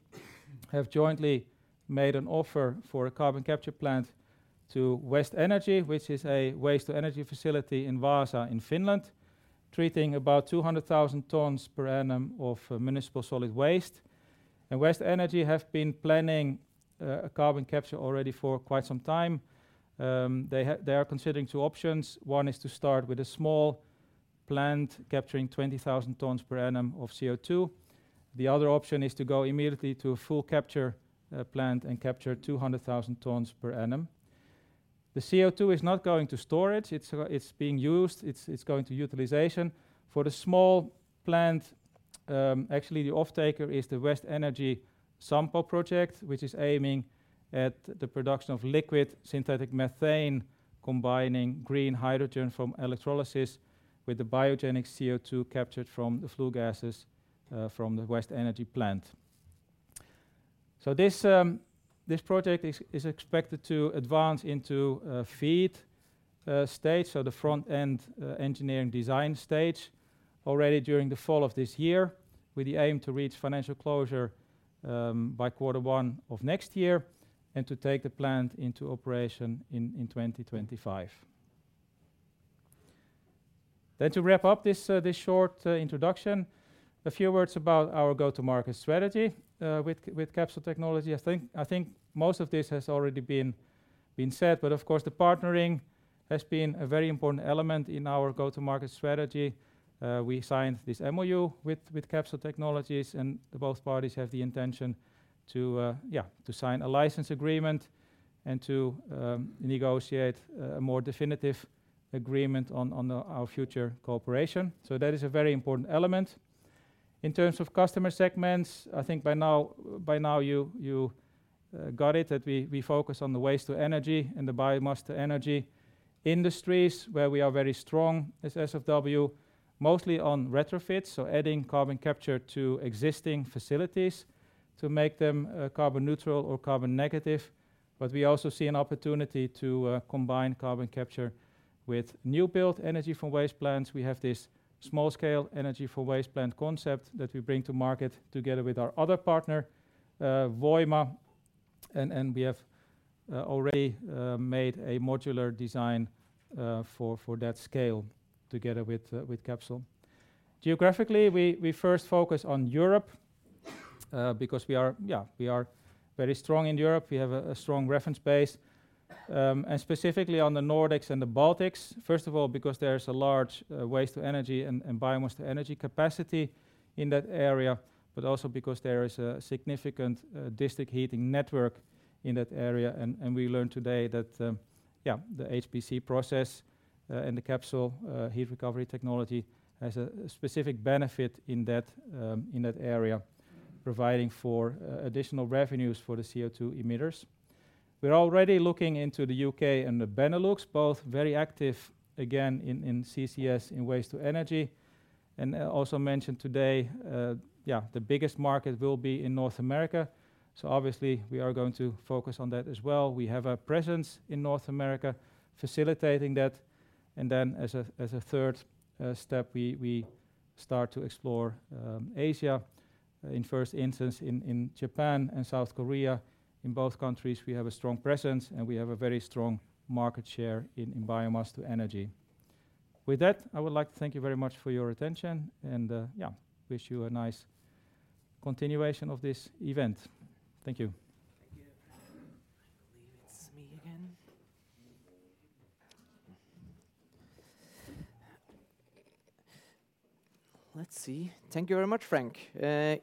have jointly made an offer for a carbon capture plant to Westenergy, which is a waste to energy facility in Vaasa in Finland, treating about 200,000 tonnes per annum of municipal solid waste. Westenergy have been planning carbon capture already for quite some time. They are considering two options. One is to start with a small plant capturing 20,000 tonnes per annum of CO2. The other option is to go immediately to a full capture plant and capture 200,000 tonnes per annum. The CO2 is not going to storage. It's being used. It's going to utilization. For the small plant, actually the offtaker is the Westenergy Sampo project, which is aiming at the production of liquid synthetic methane, combining green hydrogen from electrolysis with the biogenic CO2 captured from the flue gases from the Westenergy plant. This project is expected to advance into a FEED stage, so the front-end engineering design stage, already during the fall of this year, with the aim to reach financial closure by quarter one of next year and to take the plant into operation in 2025. To wrap up this short introduction, a few words about our go-to-market strategy with Capsol technology. I think most of this has already been said, but of course, the partnering has been a very important element in our go-to-market strategy. We signed this MoU with Capsol Technologies, and both parties have the intention to, yeah, to sign a license agreement and to negotiate a more definitive agreement on our future cooperation. That is a very important element. In terms of customer segments, I think by now you. Got it. That we focus on the waste to energy and the biomass to energy industries where we are very strong as SFW, mostly on retrofits, so adding carbon capture to existing facilities to make them carbon neutral or carbon negative. We also see an opportunity to combine carbon capture with new build energy from waste plants. We have this small scale energy for waste plant concept that we bring to market together with our other partner, WOIMA, and we have already made a modular design for that scale together with Capsol. Geographically, we first focus on Europe, because we are, yeah, we are very strong in Europe. We have a strong reference base. Specifically on the Nordics and the Baltics, first of all because there's a large waste-to-energy and biomass-to-energy capacity in that area, but also because there is a significant district heating network in that area. We learned today that, yeah, the HPC process and the Capsol heat recovery technology has a specific benefit in that area, providing for additional revenues for the CO2 emitters. We're already looking into the U.K. and the Benelux, both very active again in CCS, in waste-to-energy. Also mentioned today, yeah, the biggest market will be in North America. Obviously we are going to focus on that as well. We have a presence in North America facilitating that. As a third step, we start to explore Asia in first instance in Japan and South Korea. In both countries, we have a strong presence, and we have a very strong market share in biomass to energy. With that, I would like to thank you very much for your attention and, yeah, wish you a nice continuation of this event. Thank you. Thank you. I believe it's me again. Let's see. Thank you very much, Frank.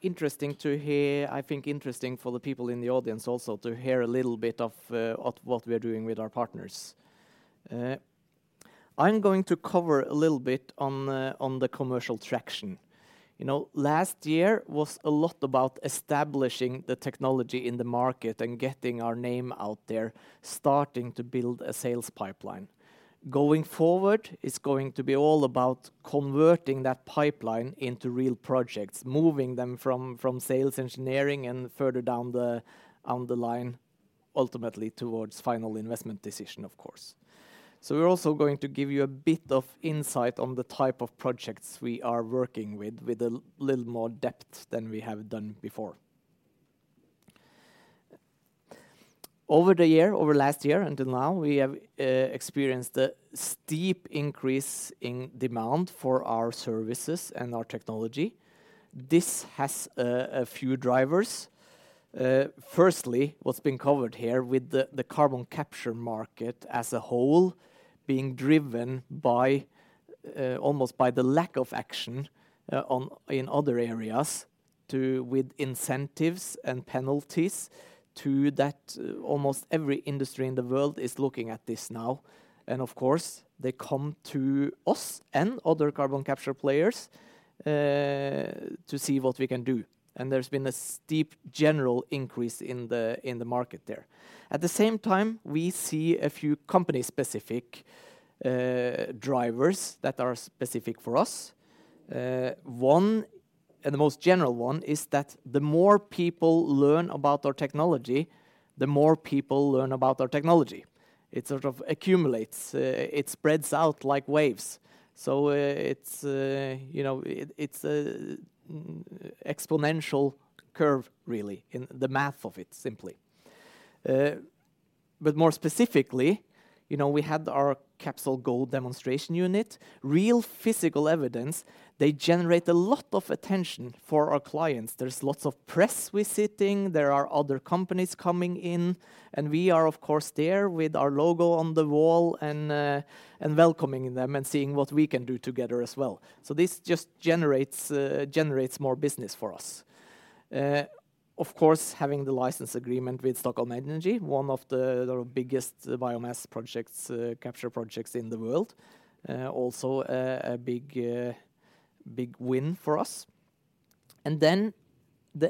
Interesting to hear, I think interesting for the people in the audience also to hear a little bit of what we are doing with our partners. I'm going to cover a little bit on the commercial traction. You know, last year was a lot about establishing the technology in the market and getting our name out there, starting to build a sales pipeline. Going forward, it's going to be all about converting that pipeline into real projects, moving them from sales engineering and further down the line, ultimately towards final investment decision, of course. We're also going to give you a bit of insight on the type of projects we are working with a little more depth than we have done before. Over the year, over last year until now, we have experienced a steep increase in demand for our services and our technology. This has a few drivers. Firstly, what's been covered here with the carbon capture market as a whole being driven by almost by the lack of action on in other areas to with incentives and penalties to that almost every industry in the world is looking at this now. Of course, they come to us and other carbon capture players to see what we can do, and there's been a steep general increase in the market there. At the same time, we see a few company specific drivers that are specific for us. One, and the most general one, is that the more people learn about our technology, the more people learn about our technology. It sort of accumulates, it spreads out like waves. It's, you know, it's a exponential curve really in the math of it simply. More specifically, you know, we had our CapsolGo demonstration unit, real physical evidence. They generate a lot of attention for our clients. There's lots of press visiting, there are other companies coming in, and we are of course there with our logo on the wall and welcoming them and seeing what we can do together as well. This just generates more business for us. Having the license agreement with Stockholm Exergi, one of the biggest biomass projects, capture projects in the world, also a big win for us. The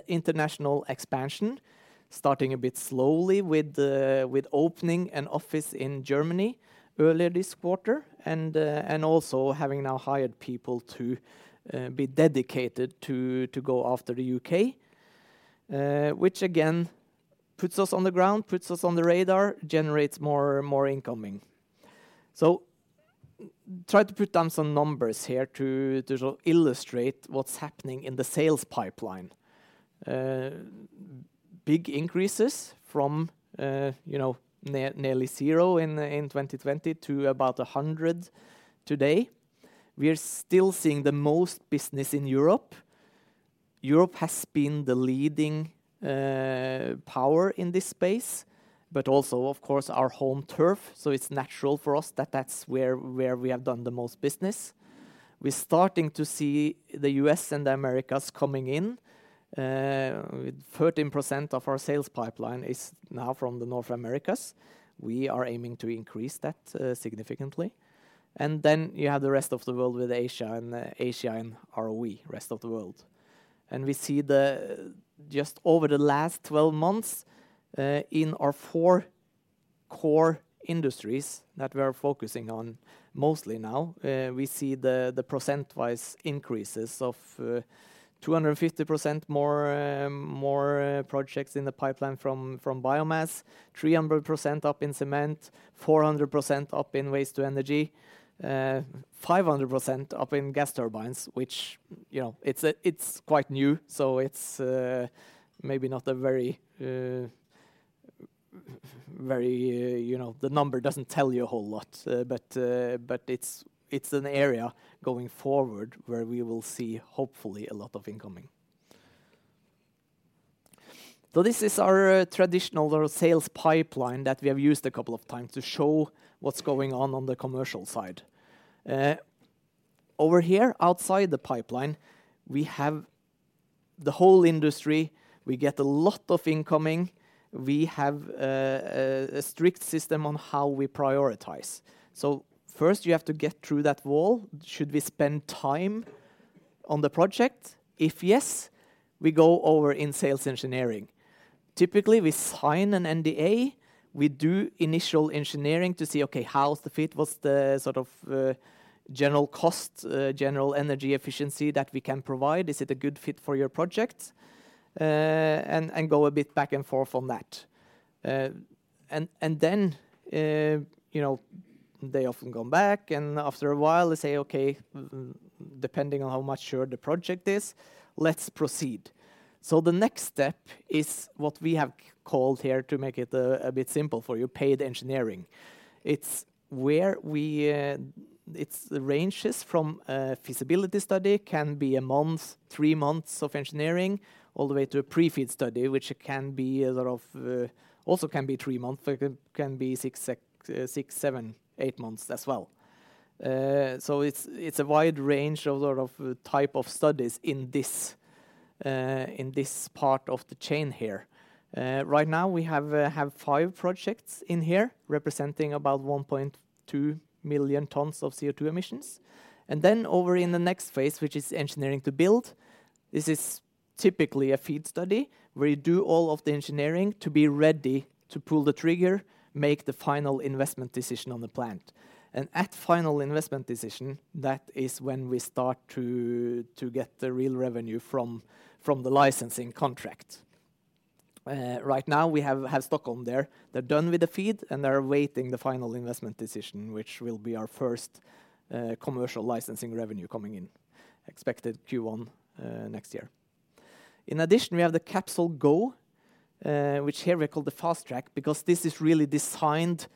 international expansion, starting a bit slowly with opening an office in Germany earlier this quarter and also having now hired people to be dedicated to go after the U.K., which again puts us on the ground, puts us on the radar, generates more incoming. Try to put down some numbers here to illustrate what's happening in the sales pipeline. Big increases from, you know, nearly zero in 2020 to about 100 today. We're still seeing the most business in Europe. Europe has been the leading power in this space, but also of course our home turf, so it's natural for us that that's where we have done the most business. We're starting to see the U.S. and the Americas coming in. 13% of our sales pipeline is now from the North Americas. We are aiming to increase that significantly. You have the rest of the world with Asia and Asia and ROE, rest of the world. Just over the last 12 months, in our four core industries that we are focusing on mostly now, we see the percent-wise increases of 250% more projects in the pipeline from biomass, 300% up in cement, 400% up in waste-to-energy, 500% up in gas turbines, which, you know, it's quite new. So it's maybe not a very, you know, the number doesn't tell you a whole lot, but it's an area going forward where we will see, hopefully, a lot of incoming. This is our traditional sales pipeline that we have used a couple of times to show what's going on on the commercial side. Over here, outside the pipeline, we have the whole industry. We get a lot of incoming. We have a strict system on how we prioritize. First you have to get through that wall. Should we spend time on the project? If yes, we go over in sales engineering. Typically, we sign an NDA. We do initial engineering to see, okay, how's the fit? What's the sort of general cost, general energy efficiency that we can provide? Is it a good fit for your project? Go a bit back and forth on that. Then, you know, they often come back, and after a while they say, "Okay, depending on how mature the project is, let's proceed." The next step is what we have called here to make it a bit simple for you, paid engineering. It's where we. It's the ranges from a feasibility study, can be one month, three months of engineering, all the way to a pre-FEED study, which can be a lot of, also can be three months. It can be six, seven, eight months as well. It's a wide range of lot of type of studies in this, in this part of the chain here. Right now we have five projects in here representing about 1.2 million tonnes of CO2 emissions. Over in the next phase, which is engineering to build, this is typically a FEED study where you do all of the engineering to be ready to pull the trigger, make the final investment decision on the plant. At final investment decision, that is when we start to get the real revenue from the licensing contract. Right now we have Stockholm there. They're done with the FEED, and they're awaiting the final investment decision, which will be our first commercial licensing revenue coming in, expected Q1 next year. In addition, we have the CapsolGo, which here we call the fast track, because this is really designed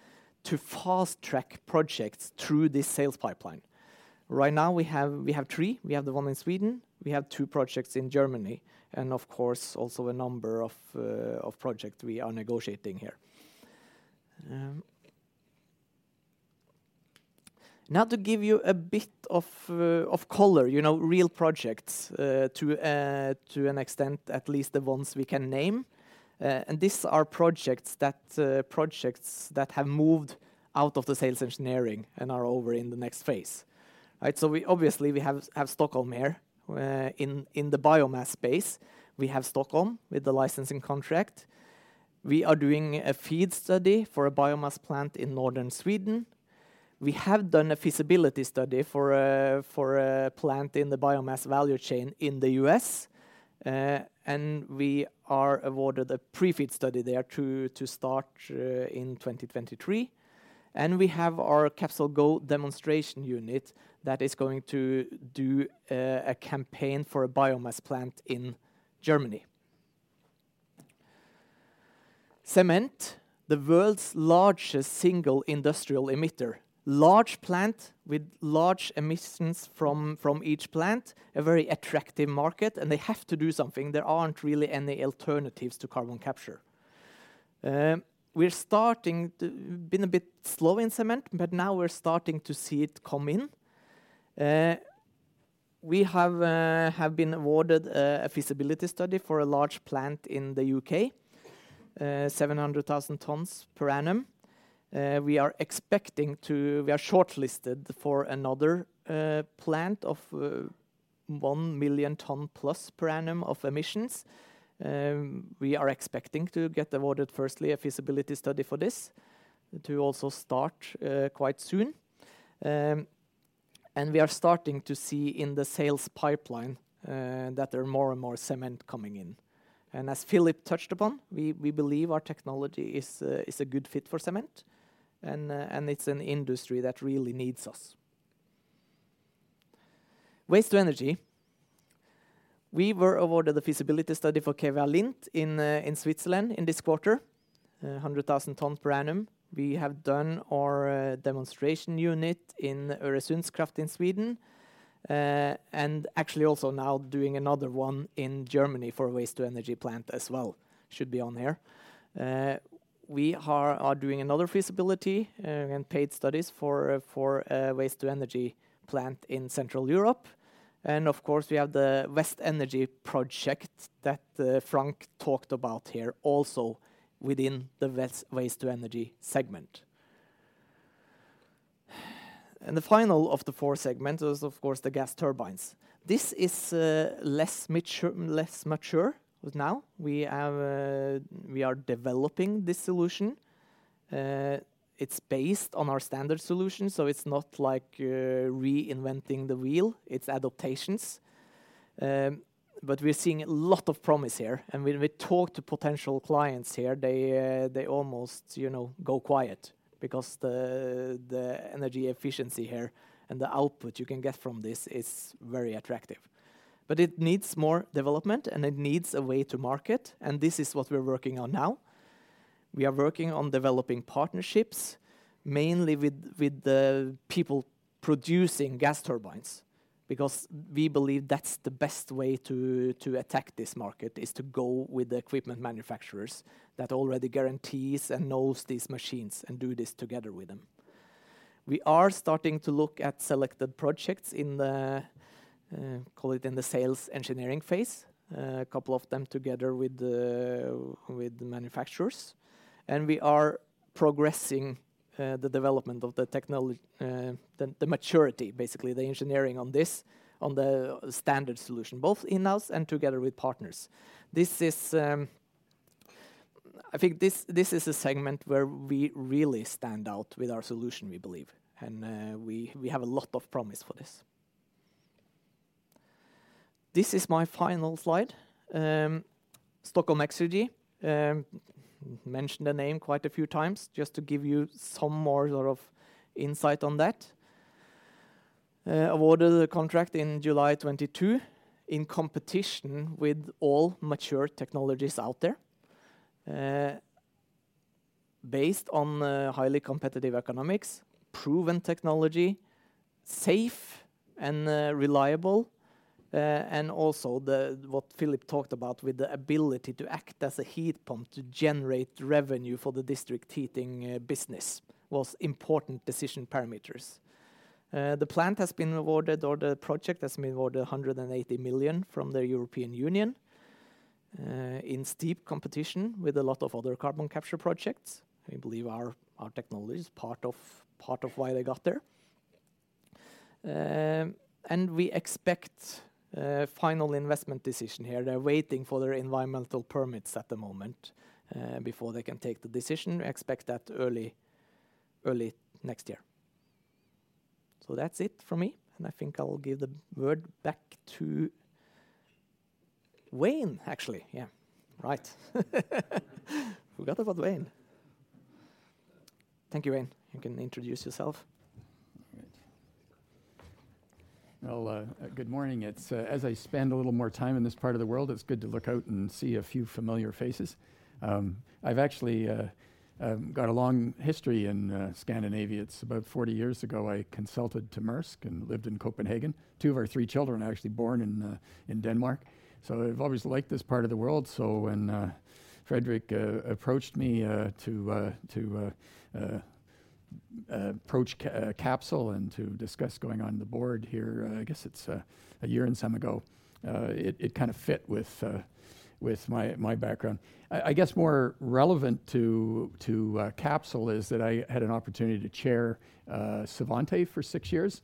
to fast track projects through this sales pipeline. Right now we have three. We have the one in Sweden. We have two projects in Germany and, of course, also a number of project we are negotiating here. Now to give you a bit of color, you know, real projects to an extent, at least the ones we can name. These are projects that have moved out of the sales engineering and are over in the next phase. Right. We obviously have Stockholm here. In the biomass space, we have Stockholm with the licensing contract. We are doing a FEED study for a biomass plant in northern Sweden. We have done a feasibility study for a plant in the biomass value chain in the U.S. We are awarded a pre-FEED study there to start in 2023. We have our CapsolGo demonstration unit that is going to do a campaign for a biomass plant in Germany. Cement, the world's largest single industrial emitter. Large plant with large emissions from each plant, a very attractive market, and they have to do something. There aren't really any alternatives to carbon capture. Been a bit slow in cement, but now we're starting to see it come in. We have been awarded a feasibility study for a large plant in the U.K., 700,000 tonnes per annum. We are shortlisted for another plant of 1+ million tonne per annum of emissions. We are expecting to get awarded, firstly, a feasibility study for this to also start quite soon. We are starting to see in the sales pipeline that there are more and more cement coming in. As Philipp touched upon, we believe our technology is a good fit for cement and it's an industry that really needs us. Waste-to-energy. We were awarded the feasibility study for KVA Linth in Switzerland in this quarter, 100,000 tonne per annum. We have done our demonstration unit in Öresundskraft in Sweden. Actually also now doing another one in Germany for a waste-to-energy plant as well. Should be on there. We are doing another feasibility and paid studies for a waste-to-energy plant in Central Europe. Of course, we have the Westenergy project that Frank talked about here also within the Westenergy waste-to-energy segment. The final of the four segment is, of course, the gas turbines. This is less mature with now. We are developing this solution. It's based on our standard solution, so it's not like reinventing the wheel, it's adaptations. We're seeing a lot of promise here. When we talk to potential clients here, they almost, you know, go quiet because the energy efficiency here and the output you can get from this is very attractive. It needs more development, and it needs a way to market, and this is what we're working on now. We are working on developing partnerships, mainly with the people producing gas turbines, because we believe that's the best way to attack this market, is to go with the equipment manufacturers that already guarantees and knows these machines and do this together with them. We are starting to look at selected projects in the call it in the sales engineering phase, a couple of them together with the manufacturers. We are progressing the development of the maturity, basically, the engineering on this, on the standard solution, both in-house and together with partners. This is. I think this is a segment where we really stand out with our solution, we believe, and we have a lot of promise for this. This is my final slide. Stockholm Exergi mentioned the name quite a few times to give you some more sort of insight on that. Awarded the contract in July 2022 in competition with all mature technologies out there, based on highly competitive economics, proven technology, safe and reliable, and also what Philipp talked about with the ability to act as a heat pump to generate revenue for the district heating business was important decision parameters. The plant has been awarded or the project has been awarded 180 million from the European Union in steep competition with a lot of other carbon capture projects. We believe our technology is part of why they got there. We expect final investment decision here. They're waiting for their environmental permits at the moment, before they can take the decision. We expect that early next year. That's it for me, and I think I'll give the word back to Wayne, actually. Yeah. Right. Forgot about Wayne. Thank you, Wayne. You can introduce yourself. All right. Well, good morning. It's As I spend a little more time in this part of the world, it's good to look out and see a few familiar faces. I've actually got a long history in Scandinavia. It's about 40 years ago, I consulted to Maersk and lived in Copenhagen. Two of our three children are actually born in Denmark. I've always liked this part of the world. When Fredrik approached me to approach Capsol and to discuss going on the board here, I guess it's a year and some ago, it kind of fit with my background. I guess more relevant to Capsol is that I had an opportunity to chair Svante for six years.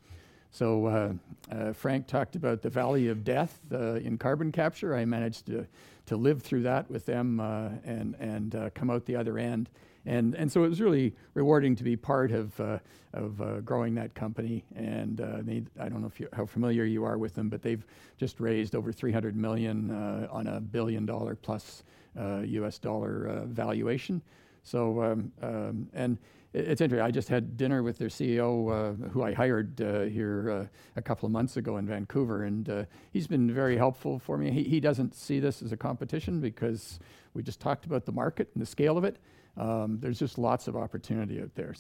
Frank talked about the valley of death in carbon capture. I managed to live through that with them, and come out the other end. It was really rewarding to be part of growing that company. I don't know if you how familiar you are with them, but they've just raised over $300 million on a $1+ billion U.S. dollar valuation. It's interesting. I just had dinner with their CEO, who I hired here a couple of months ago in Vancouver, he's been very helpful for me. He doesn't see this as a competition because we just talked about the market and the scale of it. There's just lots of opportunity out there.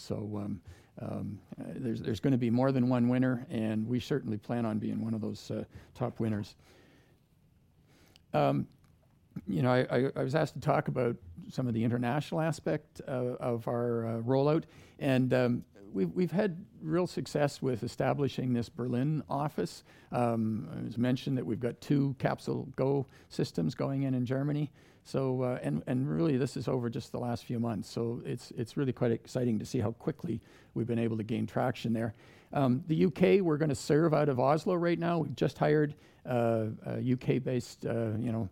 There's gonna be more than one winner, and we certainly plan on being one of those top winners. You know, I was asked to talk about some of the international aspect of our rollout, and we've had real success with establishing this Berlin office. It was mentioned that we've got two CapsolGo systems going in in Germany. Really, this is over just the last few months. It's really quite exciting to see how quickly we've been able to gain traction there. The U.K., we're gonna serve out of Oslo right now. We've just hired a U.K.-based, you know,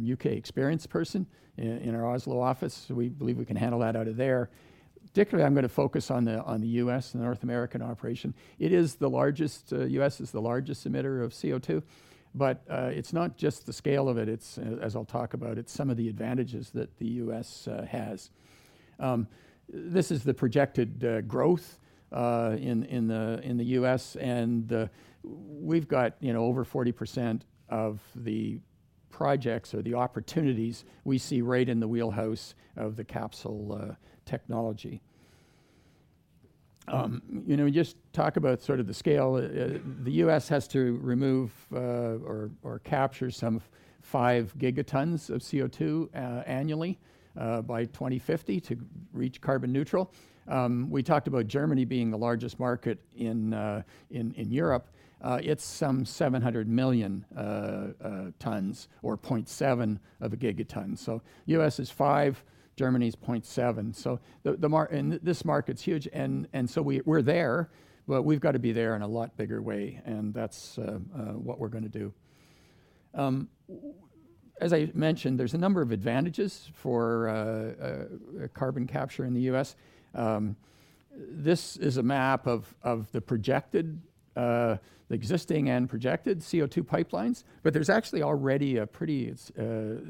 U.K. experienced person in our Oslo office. We believe we can handle that out of there. Particularly, I'm gonna focus on the U.S., the North American operation. It is the largest, U.S. is the largest emitter of CO2, it's not just the scale of it, as I'll talk about, it's some of the advantages that the U.S. has. This is the projected growth in the U.S., we've got, you know, over 40% of the projects or the opportunities we see right in the wheelhouse of the Capsol technology. You know, just talk about sort of the scale. The U.S. has to remove or capture some 5 gigatonnes of CO2 annually by 2050 to reach carbon neutral. We talked about Germany being the largest market in Europe. It's some 700 million tonnes or 0.7 of a gigatonne. U.S. is 5, Germany is 0.7. The market's huge and we're there, but we've got to be there in a lot bigger way, and that's what we're gonna do. As I mentioned, there's a number of advantages for carbon capture in the U.S. This is a map of the projected, the existing and projected CO2 pipelines, but there's actually already a pretty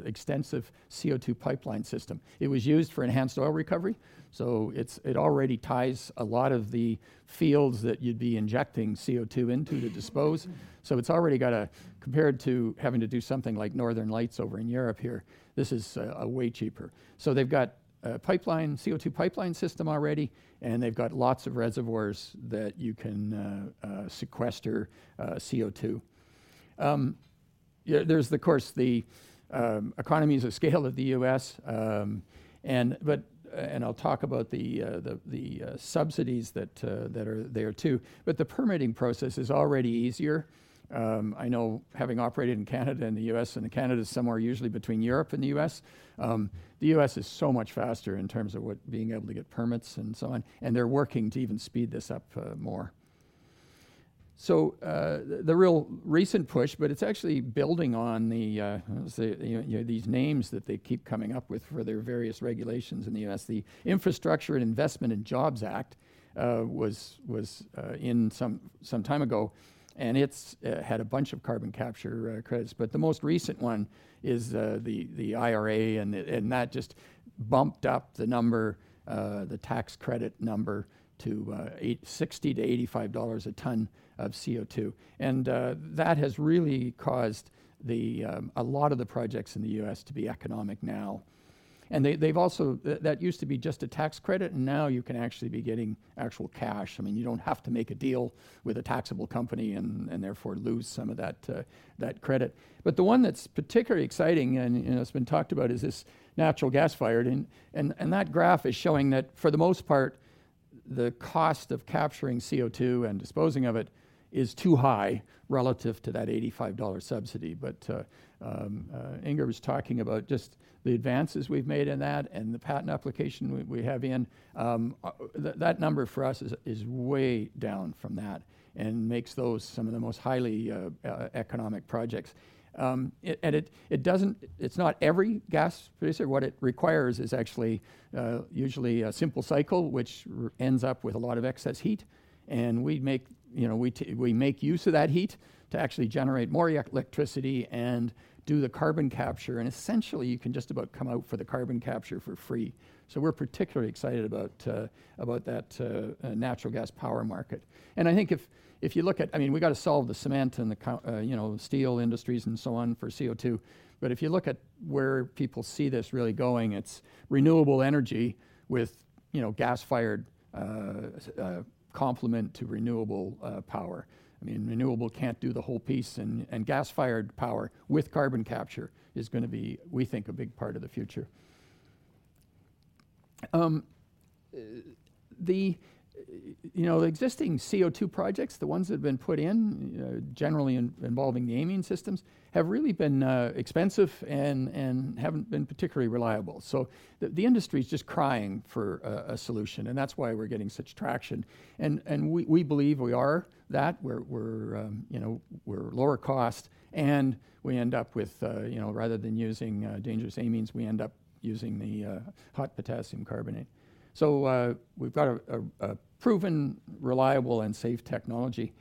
extensive CO2 pipeline system. It was used for enhanced oil recovery, so it already ties a lot of the fields that you'd be injecting CO2 into to dispose. It's already got compared to having to do something like Northern Lights over in Europe here, this is way cheaper. They've got a pipeline, CO2 pipeline system already, and they've got lots of reservoirs that you can sequester CO2. Yeah, there's the, of course, the economies of scale of the U.S., and I'll talk about the subsidies that are there too. The permitting process is already easier. I know having operated in Canada and the U.S., and Canada is somewhere usually between Europe and the U.S., the U.S. is so much faster in terms of what being able to get permits and so on, and they're working to even speed this up more. The real recent push, but it's actually building on the, let's say, you know, these names that they keep coming up with for their various regulations in the U.S. The Infrastructure Investment and Jobs Act was in some time ago, and it's had a bunch of carbon capture credits. The most recent one is the IRA, and that just bumped up the number, the tax credit number to $60-$85 a tonne of CO2. That has really caused a lot of the projects in the U.S. to be economic now. They've also that used to be just a tax credit, and now you can actually be getting actual cash. I mean, you don't have to make a deal with a taxable company and therefore lose some of that credit. The one that's particularly exciting and, you know, has been talked about is this natural gas-fired. That graph is showing that for the most part, the cost of capturing CO2 and disposing of it is too high relative to that $85 subsidy. Ingar was talking about just the advances we've made in that and the patent application we have in. That number for us is way down from that and makes those some of the most highly economic projects. It's not every gas producer. What it requires is actually usually a simple cycle which ends up with a lot of excess heat, and we make, you know, we make use of that heat to actually generate more electricity and do the carbon capture, and essentially, you can just about come out for the carbon capture for free. We're particularly excited about that natural gas power market. I think if you look at I mean, we got to solve the cement and the, you know, steel industries and so on for CO2. If you look at where people see this really going, it's renewable energy with, you know, gas-fired, complement to renewable power. I mean, renewable can't do the whole piece and gas-fired power with carbon capture is gonna be, we think, a big part of the future. The, you know, existing CO2 projects, the ones that have been put in, generally involving the amine systems, have really been expensive and haven't been particularly reliable. The, the industry is just crying for a solution, and that's why we're getting such traction. We, we believe we are that. We're, you know, we're lower cost, and we end up with, you know, rather than using dangerous amines, we end up using the hot potassium carbonate. We've got a proven, reliable, and safe technology,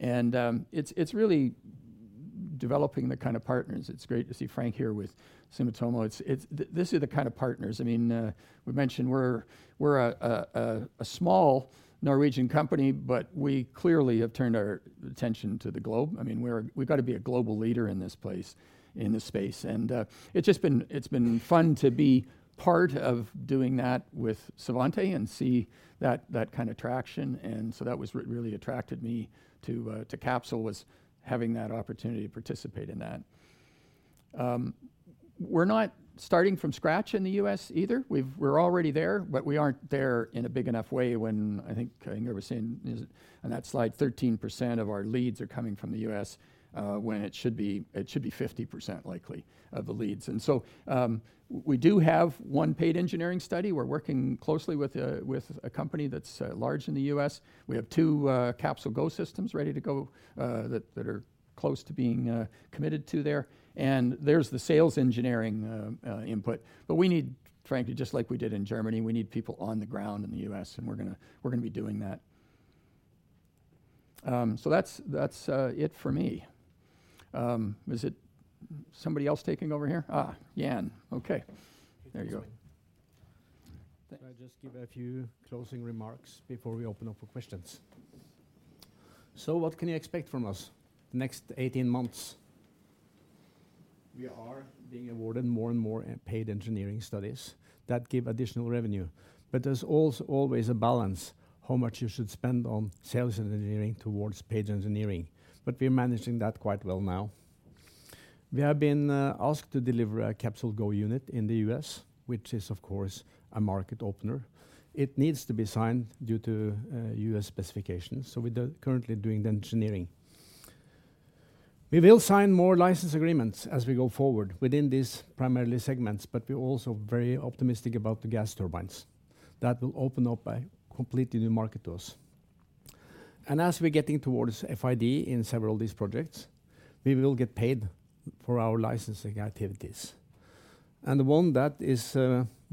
and it's really developing the kind of partners. It's great to see Frank here with Sumitomo. These are the kind of partners. I mean, we mentioned we're a small Norwegian company, but we clearly have turned our attention to the globe. I mean, we've got to be a global leader in this place, in this space. It's been fun to be part of doing that with Svante and see that kind of traction. That was really attracted me to Capsol was having that opportunity to participate in that. We're not starting from scratch in the U.S. either. We're already there, but we aren't there in a big enough way when I think Ingar was saying is on that slide, 13% of our leads are coming from the U.S., when it should be 50% likely of the leads. We do have one paid engineering study. We're working closely with a company that's large in the U.S. We have two CapsolGo systems ready to go that are close to being committed to there. There's the sales engineering input. We need Frank, just like we did in Germany, we need people on the ground in the U.S., and we're gonna be doing that. That's it for me. Is it somebody else taking over here? Jan. Okay. There you go. Thank you. I just give a few closing remarks before we open up for questions. What can you expect from us the next 18 months? We are being awarded more and more paid engineering studies that give additional revenue. There's always a balance how much you should spend on sales engineering towards paid engineering. We're managing that quite well now. We have been asked to deliver a CapsolGo unit in the U.S., which is of course a market opener. It needs to be signed due to U.S. specifications, so we're currently doing the engineering. We will sign more license agreements as we go forward within these primarily segments, but we're also very optimistic about the gas turbines. That will open up a completely new market to us. As we're getting towards FID in several of these projects, we will get paid for our licensing activities. One that is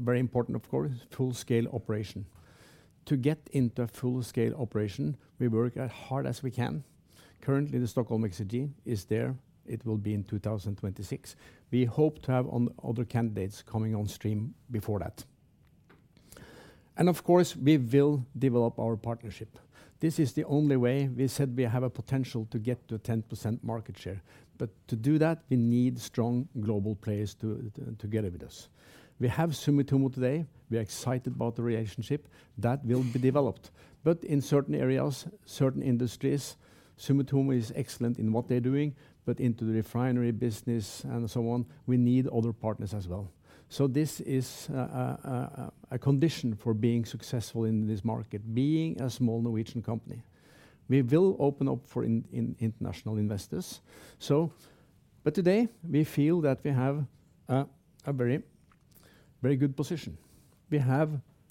very important, of course, full-scale operation. To get into full-scale operation, we work as hard as we can. Currently, Stockholm Exergi is there. It will be in 2026. We hope to have other candidates coming on stream before that. Of course, we will develop our partnership. This is the only way we said we have a potential to get to 10% market share. To do that, we need strong global players together with us. We have Sumitomo today. We are excited about the relationship that will be developed. In certain areas, certain industries, Sumitomo is excellent in what they're doing, but into the refinery business and so on, we need other partners as well. This is a condition for being successful in this market, being a small Norwegian company. We will open up for international investors, so...today, we feel that we have a very, very good position.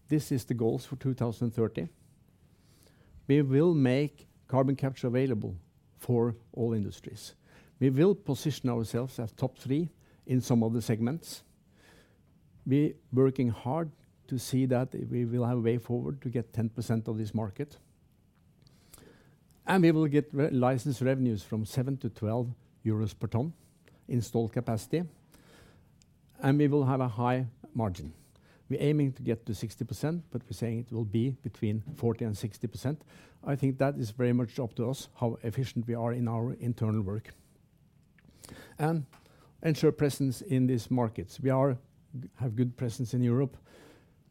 This is the goals for 2030. We will make carbon capture available for all industries. We will position ourselves as top three in some of the segments. We working hard to see that we will have a way forward to get 10% of this market. We will get license revenues from 7- 12 euros per tonne installed capacity, and we will have a high margin. We're aiming to get to 60%, but we're saying it will be between 40% and 60%. I think that is very much up to us how efficient we are in our internal work. Ensure presence in these markets. We have good presence in Europe.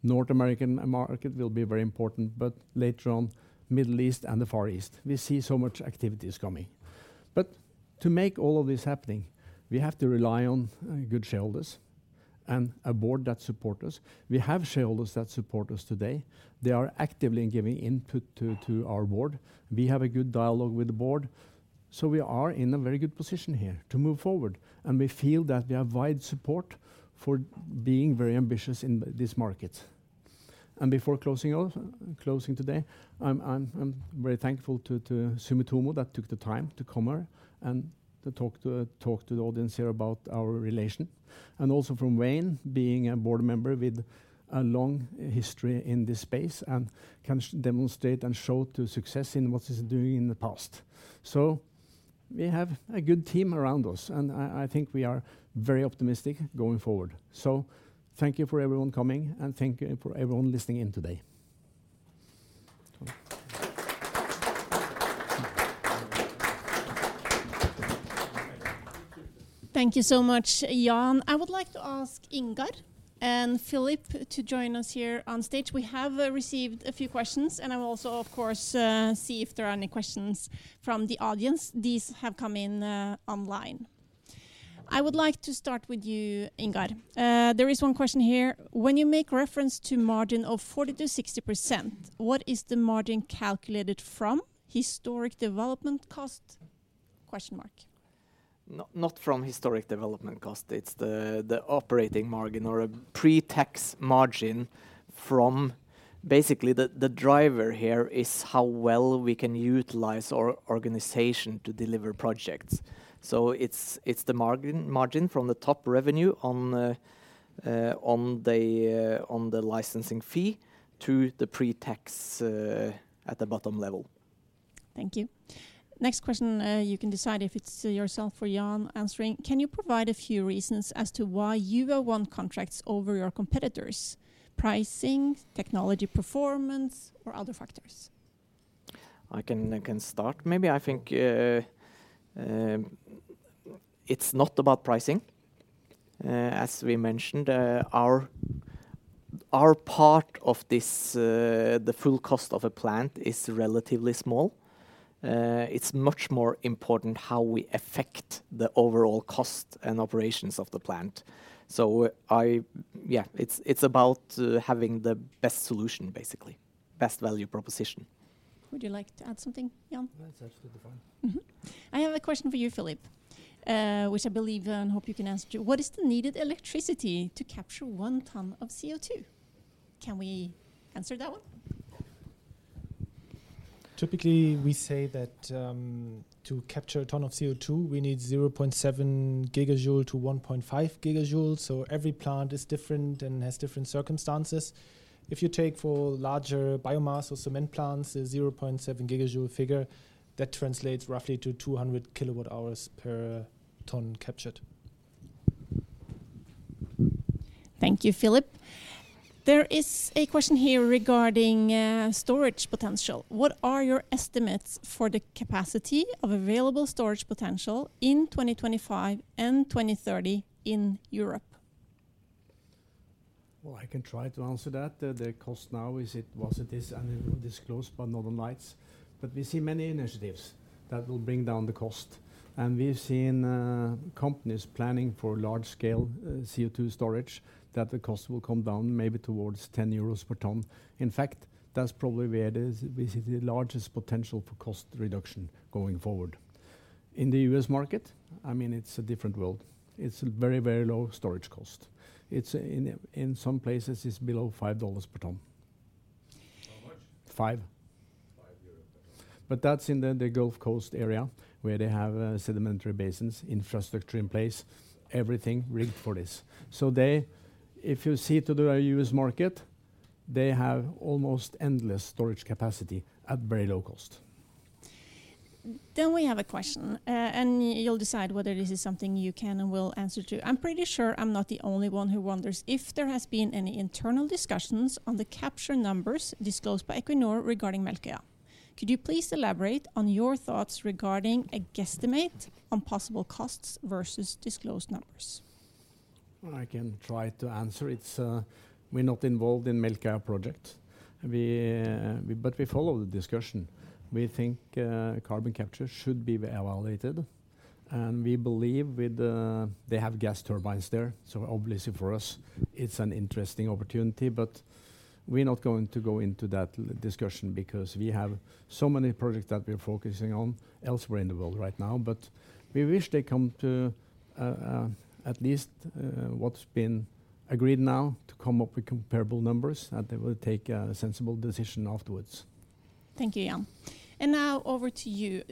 North American market will be very important, but later on, Middle East and the Far East. We see so much activities coming. To make all of this happening, we have to rely on good shareholders and a board that support us. We have shareholders that support us today. They are actively giving input to our board. We have a good dialogue with the board. We are in a very good position here to move forward, and we feel that we have wide support for being very ambitious in this market. Before closing off, closing today, I'm very thankful to Sumitomo that took the time to come here and to talk to the audience here about our relation. Also from Wayne being a board member with a long history in this space and can demonstrate and show to success in what he's doing in the past. We have a good team around us, and I think we are very optimistic going forward. Thank you for everyone coming, and thank you for everyone listening in today. Thank you so much, Jan. I would like to ask Ingar and Philipp to join us here on stage. We have received a few questions, and I will also, of course, see if there are any questions from the audience. These have come in online. I would like to start with you, Ingar. There is one question here: When you make reference to margin of 40%-60%, what is the margin calculated from? Historic development cost? No-not from historic development cost. It's the operating margin or a pre-tax margin from...basically, the driver here is how well we can utilize our organization to deliver projects. It's the margin from the top revenue on the on the licensing fee to the pre-tax at the bottom level. Thank you. Next question, you can decide if it's yourself or Jan answering. Can you provide a few reasons as to why you won contracts over your competitors? Pricing, technology performance, or other factors? I can start maybe. I think it's not about pricing, as we mentioned. Our part of this, the full cost of a plant is relatively small. It's much more important how we affect the overall cost and operations of the plant. Yeah, it's about having the best solution, basically, best value proposition. Would you like to add something, Jan? No, it's absolutely fine. Mm-hmm. I have a question for you, Philipp, which I believe and hope you can answer. What is the needed electricity to capture 1 tonne of CO2? Can we answer that one? Typically, we say that to capture a tonne of CO2, we need 0.7 GJ-1.5 GJ. Every plant is different and has different circumstances. If you take for larger biomass or cement plants, the 0.7 GJ figure, that translates roughly to 200 KWh per tonne captured. Thank you, Philipp. There is a question here regarding storage potential. What are your estimates for the capacity of available storage potential in 2025 and 2030 in Europe? Well, I can try to answer that. The cost now, it is, and it will disclose by Northern Lights. We see many initiatives that will bring down the cost, and we've seen companies planning for large-scale CO2 storage that the cost will come down maybe towards 10 euros per tonne. In fact, that's probably where we see the largest potential for cost reduction going forward. In the U.S. market, I mean, it's a different world. It's very low storage cost. It's in some places it's below $5 per tonne. $5, but that's in the Gulf Coast area where they have sedimentary basins, infrastructure in place, everything rigged for this. If you see to the U.S. market, they have almost endless storage capacity at very low cost. We have a question. You'll decide whether this is something you can and will answer to. I'm pretty sure I'm not the only one who wonders if there has been any internal discussions on the capture numbers disclosed by Equinor regarding Melkøya. Could you please elaborate on your thoughts regarding a guesstimate on possible costs versus disclosed numbers? I can try to answer. It's, we're not involved in Melkøya project. We, but we follow the discussion. We think, carbon capture should be evaluated, and we believe with the they have gas turbines there, so obviously for us, it's an interesting opportunity, but we're not going to go into that discussion because we have so many projects that we're focusing on elsewhere in the world right now. We wish they come to, at least, what's been agreed now to come up with comparable numbers, and they will take a sensible decision afterwards. Thank you, Jan. Now over to you.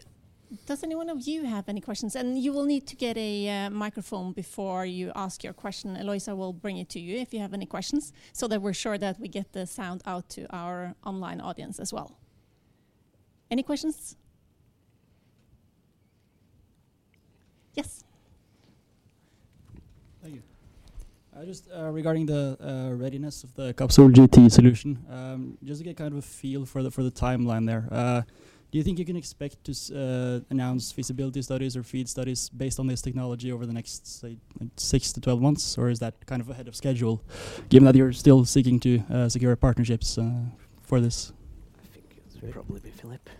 Does any one of you have any questions? You will need to get a microphone before you ask your question. Eloisa will bring it to you if you have any questions, so that we're sure that we get the sound out to our online audience as well. Any questions? Yes. Thank you. I just, regarding the readiness of the CapsolGT solution, just to get kind of a feel for the timeline there. Do you think you can expect to announce feasibility studies or FEED studies based on this technology over the next, say, six to 12 months, or is that kind of ahead of schedule given that you're still seeking to secure partnerships for this? I think it's probably be Philip.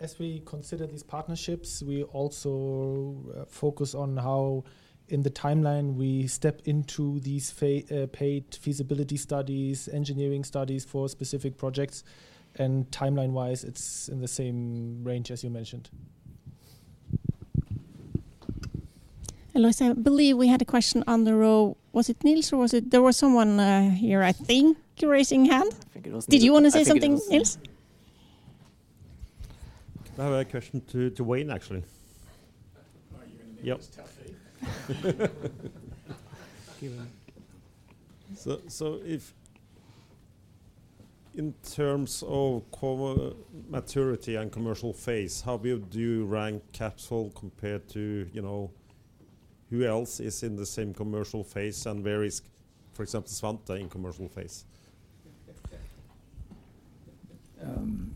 As we consider these partnerships, we also focus on how in the timeline we step into these paid feasibility studies, engineering studies for specific projects, and timeline-wise, it's in the same range as you mentioned. Eloisa, I believe we had a question on the row. Was it Nils or was it? There was someone here, I think, raising hand. I think it was Nils. Did you want to say something, Nils? I have a question to Wayne, actually. Oh, you're gonna make this tough, eh? If in terms of maturity and commercial phase, how would you rank Capsol compared to, you know, who else is in the same commercial phase and where is, for example, Svante in commercial phase?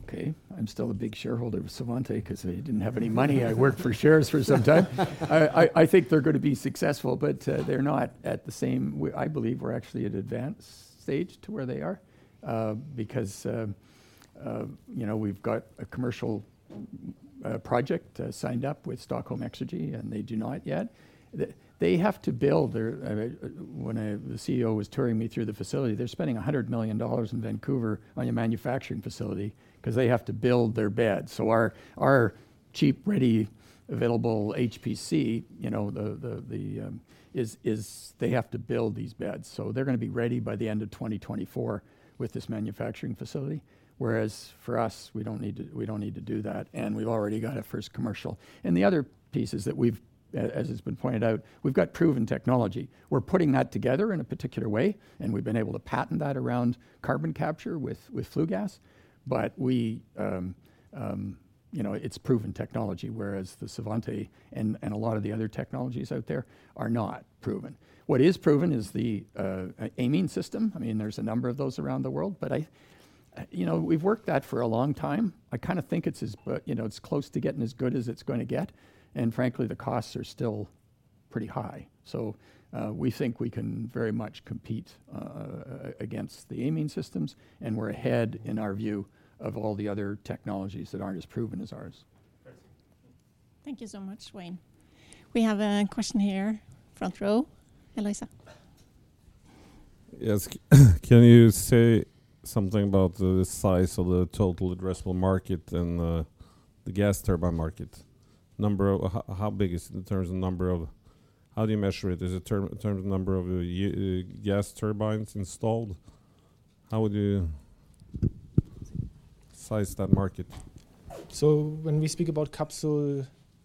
Okay. I'm still a big shareholder of Svante because I didn't have any money. I worked for shares for some time. I think they're gonna be successful, but they're not at the same. I believe we're actually at advanced stage to where they are, because, you know, we've got a commercial project signed up with Stockholm Exergi, and they do not yet. I mean, when the CEO was touring me through the facility, they're spending $100 million in Vancouver on a manufacturing facility because they have to build their beds. Our cheap, ready, available HPC, you know, is they have to build these beds. They're gonna be ready by the end of 2024 with this manufacturing facility. Whereas for us, we don't need to do that, and we've already got a first commercial. The other pieces that we've, as it's been pointed out, we've got proven technology. We're putting that together in a particular way, and we've been able to patent that around carbon capture with flue gas. We, you know, it's proven technology, whereas the Svante and a lot of the other technologies out there are not proven. What is proven is the amine system. I mean, there's a number of those around the world, but You know, we've worked that for a long time. I kinda think it's as you know, it's close to getting as good as it's gonna get, and frankly, the costs are still pretty high. We think we can very much compete against the amine systems, and we're ahead in our view of all the other technologies that aren't as proven as ours. Thanks. Thank you so much, Wayne. We have a question here, front row. Eloisa. Yes. Can you say something about the size of the total addressable market and the gas turbine market? How big is it in terms of number of gas turbines installed? How would you size that market? When we speak about Capsol,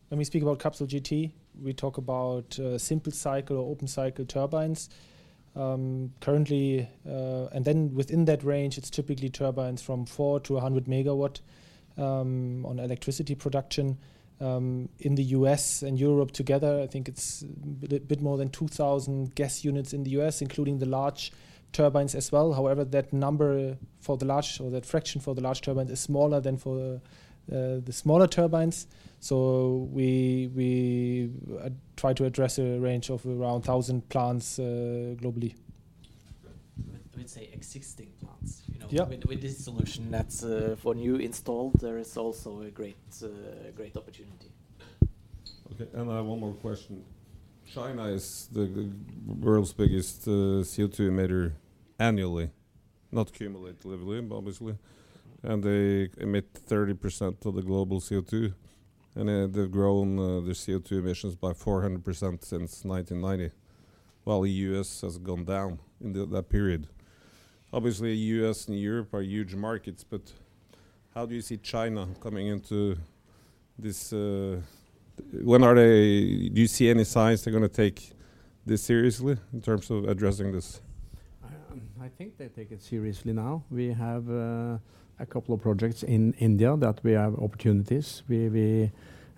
when we speak about CapsolGT, we talk about simple cycle or open cycle turbines. Currently, and then within that range, it's typically turbines from 4 MW to 100 MW on electricity production. In the U.S. and Europe together, I think it's bit more than 2,000 gas units in the U.S., including the large turbines as well. However, that number for the large, or that fraction for the large turbine is smaller than for the smaller turbines. We try to address a range of around 1,000 plants globally. Let's say existing plants, you know? Yeah. With this solution, that's for new installed, there is also a great opportunity. I have one more question. China is the world's biggest CO2 emitter annually, not cumulatively obviously. They emit 30% of the global CO2. They've grown their CO2 emissions by 400% since 1990, while the U.S. has gone down in that period. Obviously, U.S. and Europe are huge markets. How do you see China coming into this...when are they... do you see any signs they're gonna take this seriously in terms of addressing this? I think they take it seriously now. We have a couple of projects in India that we have opportunities. We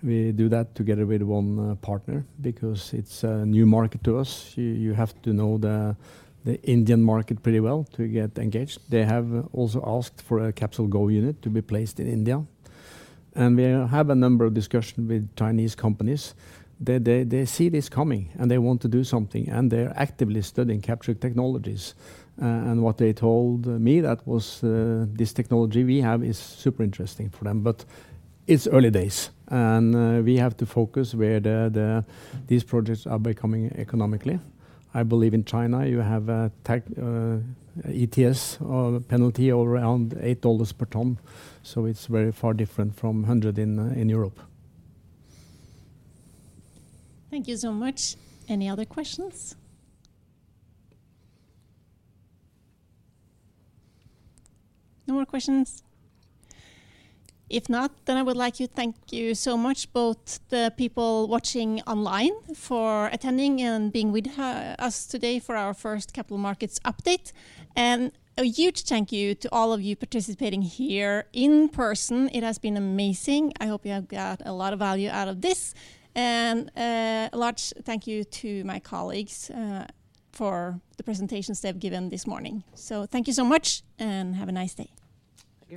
do that together with one partner because it's a new market to us. You have to know the Indian market pretty well to get engaged. They have also asked for a CapsolGo unit to be placed in India. We have a number of discussion with Chinese companies. They see this coming, and they want to do something, and they're actively studying capture technologies. What they told me that was, this technology we have is super interesting for them. It's early days, and we have to focus where these projects are becoming economically. I believe in China you have a ETS or penalty around $8 per tonne, so it's very far different from 100 in Europe. Thank you so much. Any other questions? No more questions? If not, then I would like to thank you so much, both the people watching online for attending and being with us today for our first Capital Markets Update. A huge thank you to all of you participating here in person. It has been amazing. I hope you have got a lot of value out of this. A large thank you to my colleagues for the presentations they've given this morning. Thank you so much, and have a nice day.